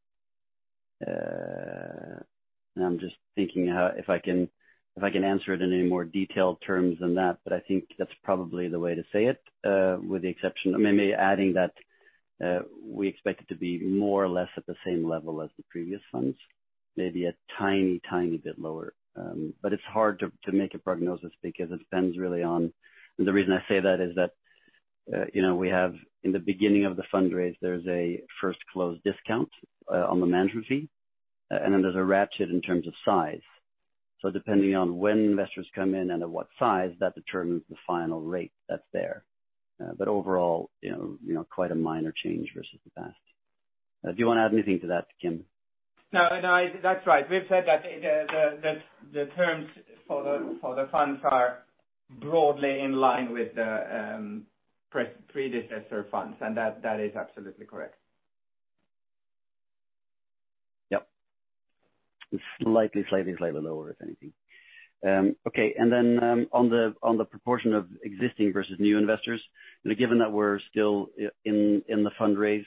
just thinking how if I can answer it in any more detailed terms than that, but I think that's probably the way to say it, with the exception of maybe adding that we expect it to be more or less at the same level as the previous funds, maybe a tiny bit lower. It's hard to make a prognosis because it depends really on. The reason I say that is that, you know, we have in the beginning of the fundraise, there's a first closed discount on the management fee, and then there's a ratchet in terms of size. Depending on when investors come in and at what size, that determines the final rate that's there. Overall, you know, quite a minor change versus the past. Do you wanna add anything to that, Kim? No, no, that's right. We've said that the terms for the funds are broadly in line with the predecessor funds, and that is absolutely correct. Yep. Slightly lower, if anything. Okay. On the proportion of existing versus new investors, you know, given that we're still in the fundraise,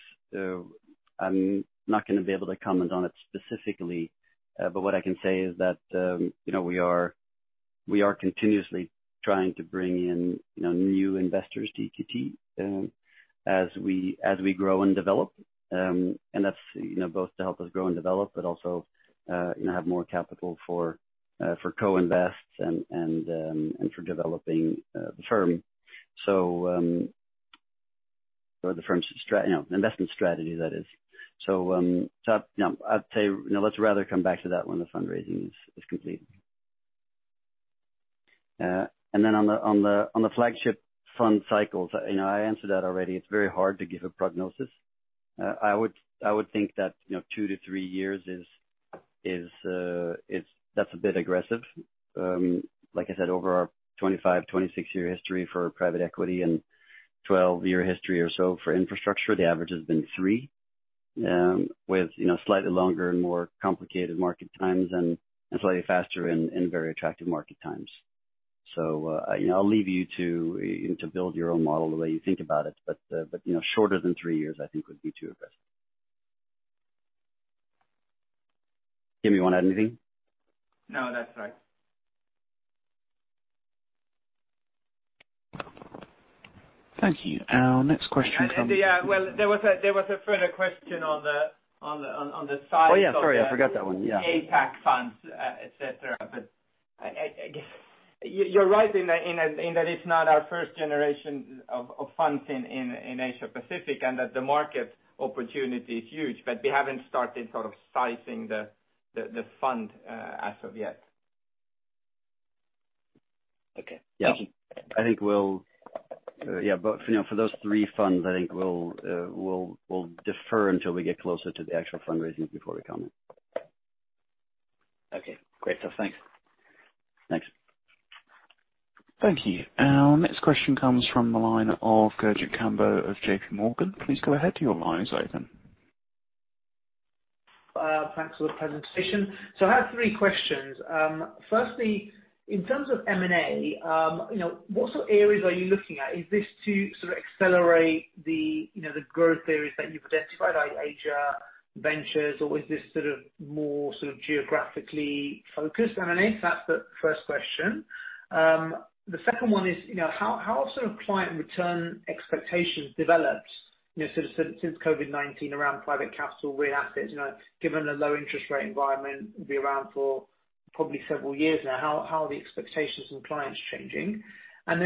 I'm not gonna be able to comment on it specifically. What I can say is that, you know, we are continuously trying to bring in, you know, new investors to EQT, as we grow and develop. That's, you know, both to help us grow and develop, but also, you know, have more capital for co-invest and for developing the firm, the firm's investment strategy, that is. I'd say. You know, let's rather come back to that when the fundraising is complete. On the flagship fund cycles, you know, I answered that already. It's very hard to give a prognosis. I would think that, you know, 2-3 years is. That's a bit aggressive. Like I said, over our 25-26-year history for private equity and 12-year history or so for infrastructure, the average has been three, with, you know, slightly longer and more complicated market times and slightly faster and very attractive market times. You know, I'll leave you to build your own model the way you think about it. You know, shorter than three years, I think would be too aggressive. Kim, you wanna add anything? No, that's right. Thank you. Our next question comes. Yeah. Well, there was a further question on the size. Oh, yeah. Sorry, I forgot that one. Yeah. APAC funds, et cetera. I guess you're right in that it's not our first generation of funds in Asia-Pacific, and that the market opportunity is huge. We haven't started sort of sizing the fund as of yet. Okay. Yeah. Thank you. Yeah, but you know, for those three funds, I think we'll defer until we get closer to the actual fundraising before we comment. Okay. Great. Thanks. Thanks. Thank you. Our next question comes from the line of Gurjit Kambo of JPMorgan. Please go ahead. Your line is open. Thanks for the presentation. I have three questions. Firstly, in terms of M&A, you know, what sort of areas are you looking at? Is this to sort of accelerate the, you know, the growth areas that you've identified, i.e., Asia ventures? Or is this sort of more sort of geographically focused M&A, that's the first question. The second one is, you know, how have sort of client return expectations developed, you know, sort of since COVID-19 around private capital, real assets, you know, given the low interest rate environment will be around for probably several years now? How are the expectations from clients changing?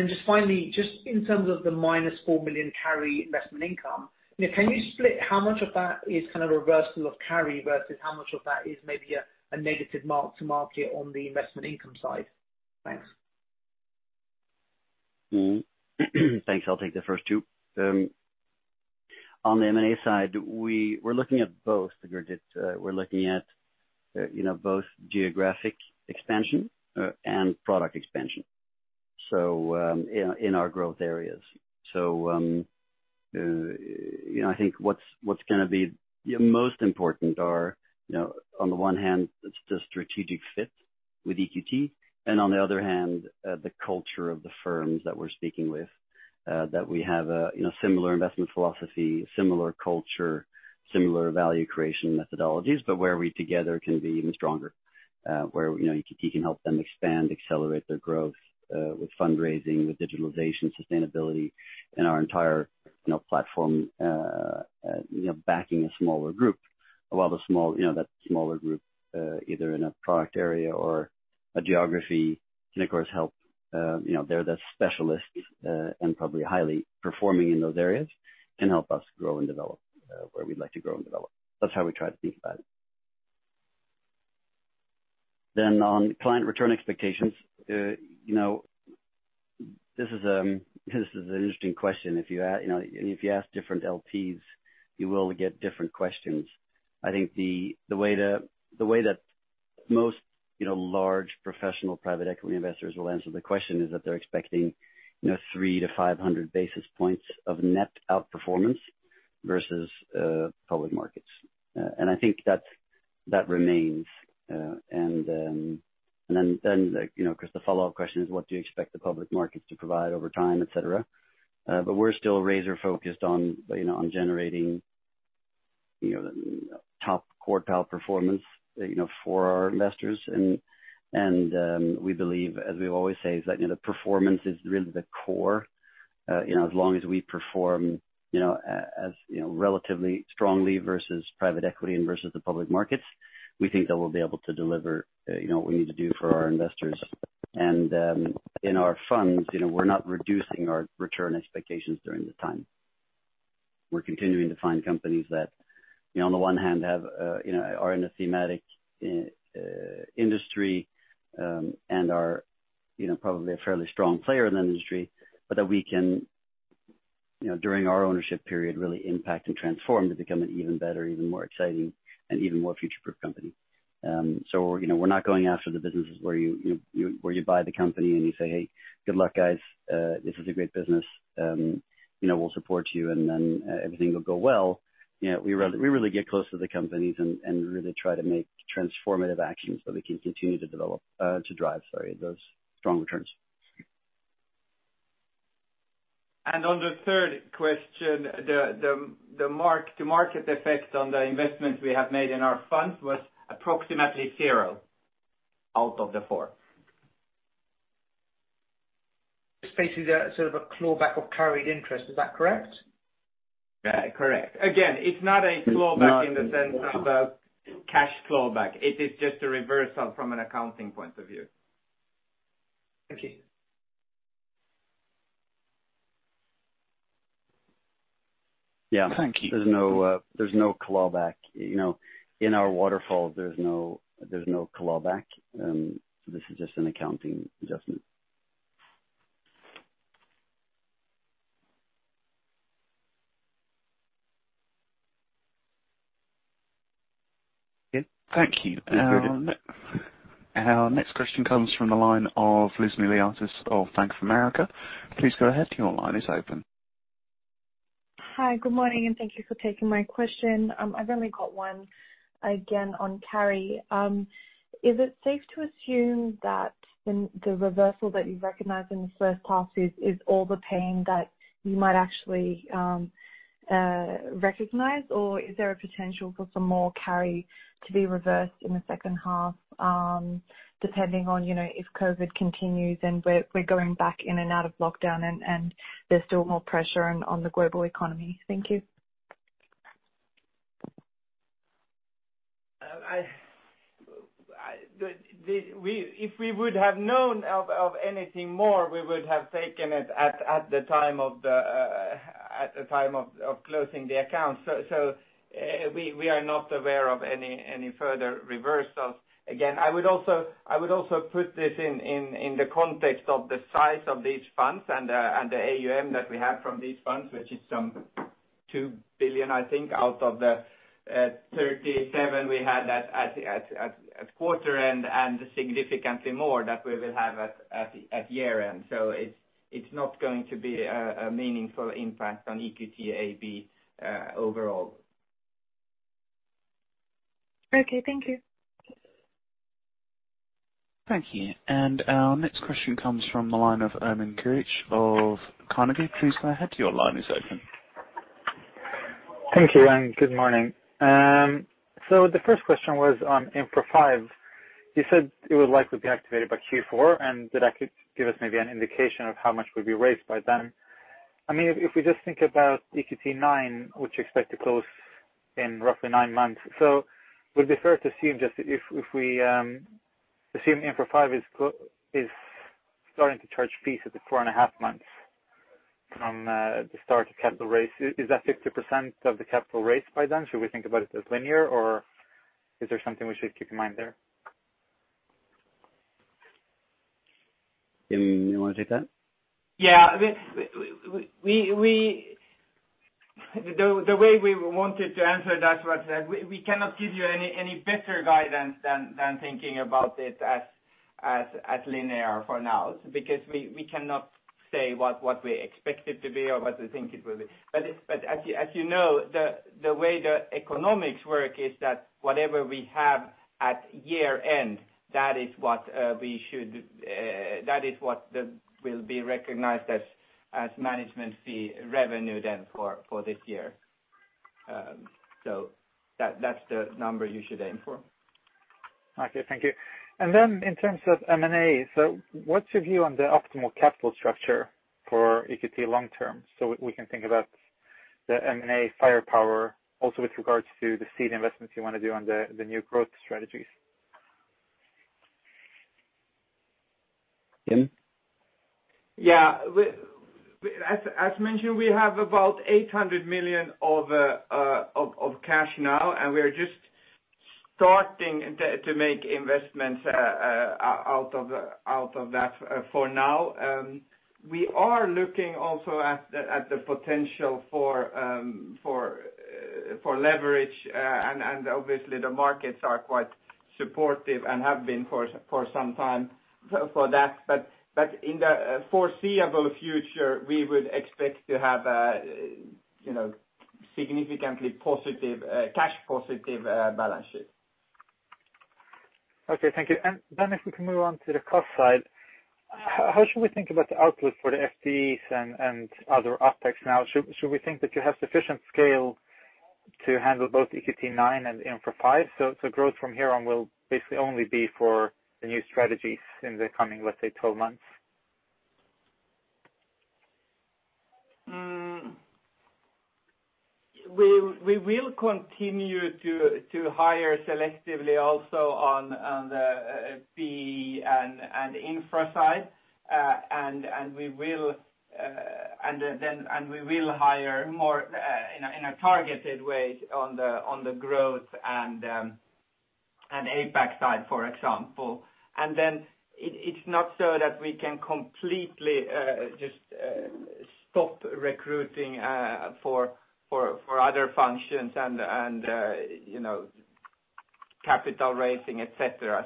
Just finally, just in terms of the -4 million carry investment income, you know, can you split how much of that is kind of a reversal of carry versus how much of that is maybe a negative mark-to-market on the investment income side? Thanks. Thanks. I'll take the first two. On the M&A side, we're looking at both, Gurjit. We're looking at you know, both geographic expansion and product expansion, so in our growth areas. You know, I think what's gonna be most important are you know, on the one hand, it's the strategic fit with EQT, and on the other hand, the culture of the firms that we're speaking with that we have a you know, similar investment philosophy, similar culture, similar value creation methodologies, but where we together can be even stronger. You know, EQT can help them expand, accelerate their growth with fundraising, with digitalization, sustainability in our entire you know, platform you know, backing a smaller group. While the small. You know, that smaller group, either in a product area or a geography can of course help, you know, they're the specialists, and probably highly performing in those areas can help us grow and develop, where we'd like to grow and develop. That's how we try to think about it. On client return expectations, you know, this is an interesting question. You know, if you ask different LPs, you will get different questions. I think the way that most, you know, large professional private equity investors will answer the question is that they're expecting, you know, 300-500 basis points of net outperformance versus public markets. I think that remains. You know, 'cause the follow-up question is what do you expect the public markets to provide over time, et cetera. We're still razor-focused on, you know, on generating, you know, top quartile performance, you know, for our investors. We believe, as we've always said, that, you know, the performance is really the core. You know, as long as we perform, you know, as, you know, relatively strongly versus private equity and versus the public markets, we think that we'll be able to deliver, you know, what we need to do for our investors. In our funds, you know, we're not reducing our return expectations during this time. We're continuing to find companies that, you know, on the one hand have, you know, are in a thematic industry, and are, you know, probably a fairly strong player in the industry, but that we can, you know, during our ownership period, really impact and transform to become an even better, even more exciting and even more future-proof company. So, you know, we're not going after the businesses where you buy the company, and you say, "Hey, good luck, guys. This is a great business. You know, we'll support you, and then everything will go well." You know, we really get close to the companies and really try to make transformative actions so they can continue to develop, to drive, sorry, those strong returns. On the third question, the market effect on the investments we have made in our funds was approximately zero out of the four. It's basically a sort of a clawback of carried interest. Is that correct? Yeah. Correct. Again, it's not a clawback. It's not. In the sense of a cash clawback. It is just a reversal from an accounting point of view. Thank you. There's no clawback. You know, in our waterfall, there's no clawback. This is just an accounting adjustment. Yeah. Thank you. Our next question comes from the line of Elizabeth Miliatis of Bank of America. Please go ahead. Your line is open. Hi. Good morning, and thank you for taking my question. I've only got one, again, on carry. Is it safe to assume that in the reversal that you've recognized in this first half is all the carry that you might actually recognize? Or is there a potential for some more carry to be reversed in the second half, depending on, you know, if COVID continues, and we're going back in and out of lockdown, and there's still more pressure on the global economy? Thank you. If we would have known of anything more, we would have taken it at the time of closing the accounts. We are not aware of any further reversals. Again, I would also put this in the context of the size of these funds and the AUM that we have from these funds, which is some 2 billion, I think, out of the 37 we had at quarter end and significantly more that we will have at year-end. It's not going to be a meaningful impact on EQT AB overall. Okay. Thank you. Thank you. Our next question comes from the line of Ermin Keric of Carnegie. Please go ahead. Your line is open. Thank you, and good morning. The first question was on EQT Infrastructure V. You said it would likely be activated by Q4, and that could give us maybe an indication of how much would be raised by then. I mean, if we just think about EQT IX, which you expect to close in roughly nine months. Would it be fair to assume just if we assume EQT Infrastructure V is starting to charge fees at the four and a half months from the start of capital raise, is that 50% of the capital raised by then? Should we think about it as linear, or is there something we should keep in mind there? Kim, you wanna take that? Yeah. The way we wanted to answer that was that we cannot give you any better guidance than thinking about it as linear for now because we cannot say what we expect it to be or what we think it will be. As you know, the way the economics work is that whatever we have at year-end, that is what will be recognized as management fee revenue then for this year. That's the number you should aim for. Okay. Thank you. In terms of M&A, so what's your view on the optimal capital structure for EQT long term? We can think about the M&A firepower also with regards to the seed investments you wanna do on the new growth strategies. Kim? Yeah. As mentioned, we have about 800 million of cash now, and we are just starting to make investments out of that for now. We are looking also at the potential for leverage. And obviously the markets are quite supportive and have been for some time for that. But in the foreseeable future, we would expect to have a you know, significantly positive cash positive balance sheet. Okay, thank you. If we can move on to the cost side, how should we think about the output for the FTEs and other OpEx now? Should we think that you have sufficient scale to handle both EQT IX and Infra V? Growth from here on will basically only be for the new strategies in the coming, let's say, 12 months. We will continue to hire selectively also on the PE and infra side. We will hire more in a targeted way on the growth and APAC side, for example. It's not so that we can completely just stop recruiting for other functions and you know, capital raising, et cetera.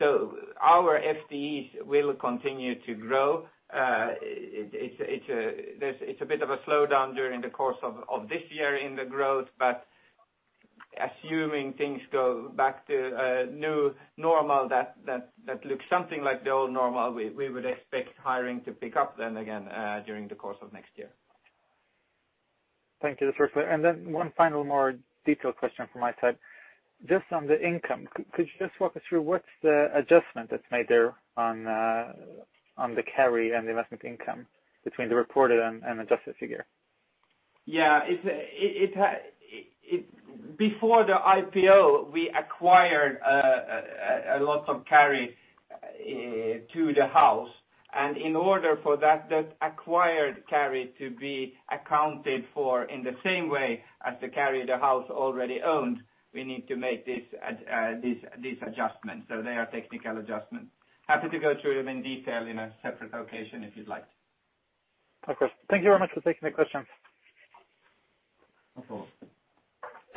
Our FTEs will continue to grow. It's a bit of a slowdown during the course of this year in the growth, but assuming things go back to a new normal that looks something like the old normal, we would expect hiring to pick up then again during the course of next year. Thank you. That's very clear. One final more detailed question from my side. Just on the income, could you just walk us through what's the adjustment that's made there on the carry and the investment income between the reported and adjusted figure? Yeah. Before the IPO, we acquired a lot of carry to the house. In order for that acquired carry to be accounted for in the same way as the carry the house already owned, we need to make this adjustment. They are technical adjustments. Happy to go through them in detail in a separate occasion, if you'd like. Of course. Thank you very much for taking the question. No problem.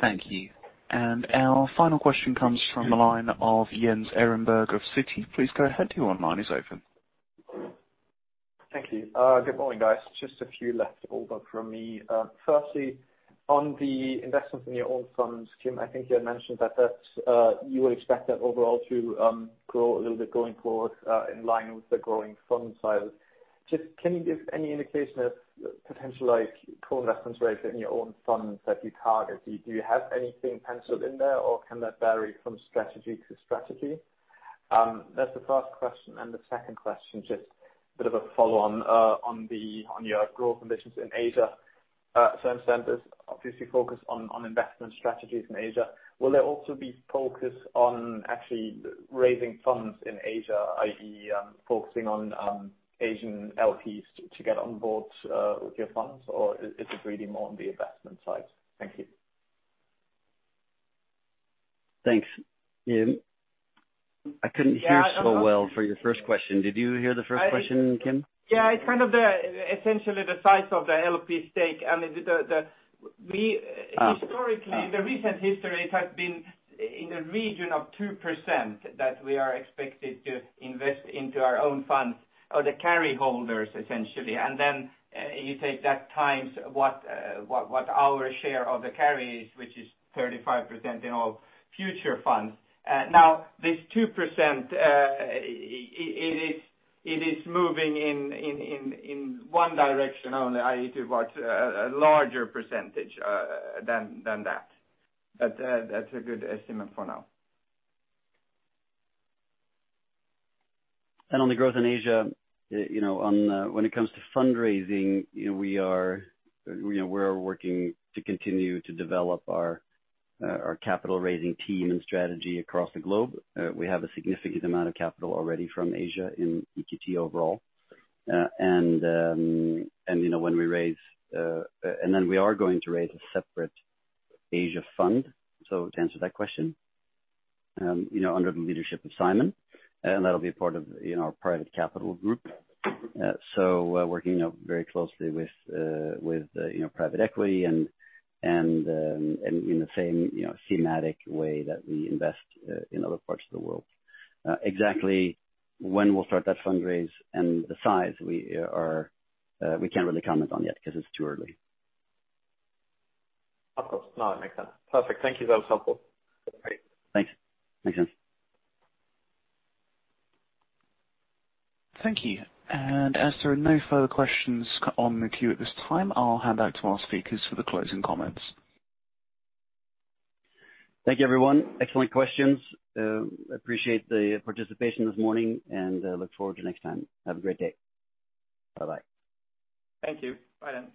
Thank you. Our final question comes from the line of Jens Ehrenberg of Citi. Please go ahead, your line is open. Thank you. Good morning, guys. Just a few left over from me. Firstly, on the investments in your own funds, Kim, I think you had mentioned that you would expect that overall to grow a little bit going forward in line with the growing fund size. Just, can you give any indication of potential, like co-investment rates in your own funds that you target? Do you have anything penciled in there, or can that vary from strategy to strategy? That's the first question, and the second question, just a bit of a follow on your growth ambitions in Asia. To some extent, there's obviously focus on investment strategies in Asia. Will there also be focus on actually raising funds in Asia, i.e., focusing on Asian LPs to get on board with your funds, or is it really more on the investment side? Thank you. Thanks. Jens, I couldn't hear so well for your first question. Did you hear the first question, Kim? Yeah, it's kind of essentially the size of the LP stake. I mean, the we historically, the recent history has been in the region of 2% that we are expected to invest into our own funds or the carry holders, essentially. Then, you take that times what our share of the carry is, which is 35% in all future funds. Now this 2%, it is moving in one direction only, i.e., towards a larger percentage than that. That's a good estimate for now. On the growth in Asia, you know, when it comes to fundraising, you know, we are working to continue to develop our capital raising team and strategy across the globe. We have a significant amount of capital already from Asia in EQT overall. You know, we are going to raise a separate Asia fund, so to answer that question, you know, under the leadership of Simon, and that'll be part of our private capital group. We're working very closely with private equity and in the same thematic way that we invest in other parts of the world. Exactly when we'll start that fundraise and the size we are, we can't really comment on yet 'cause it's too early. Of course. No, it makes sense. Perfect. Thank you. That was helpful. Great. Thanks. Thanks, Jens. Thank you. As there are no further questions on the queue at this time, I'll hand back to our speakers for the closing comments. Thank you, everyone. Excellent questions. Appreciate the participation this morning and look forward to next time. Have a great day. Bye-bye. Thank you. Bye then.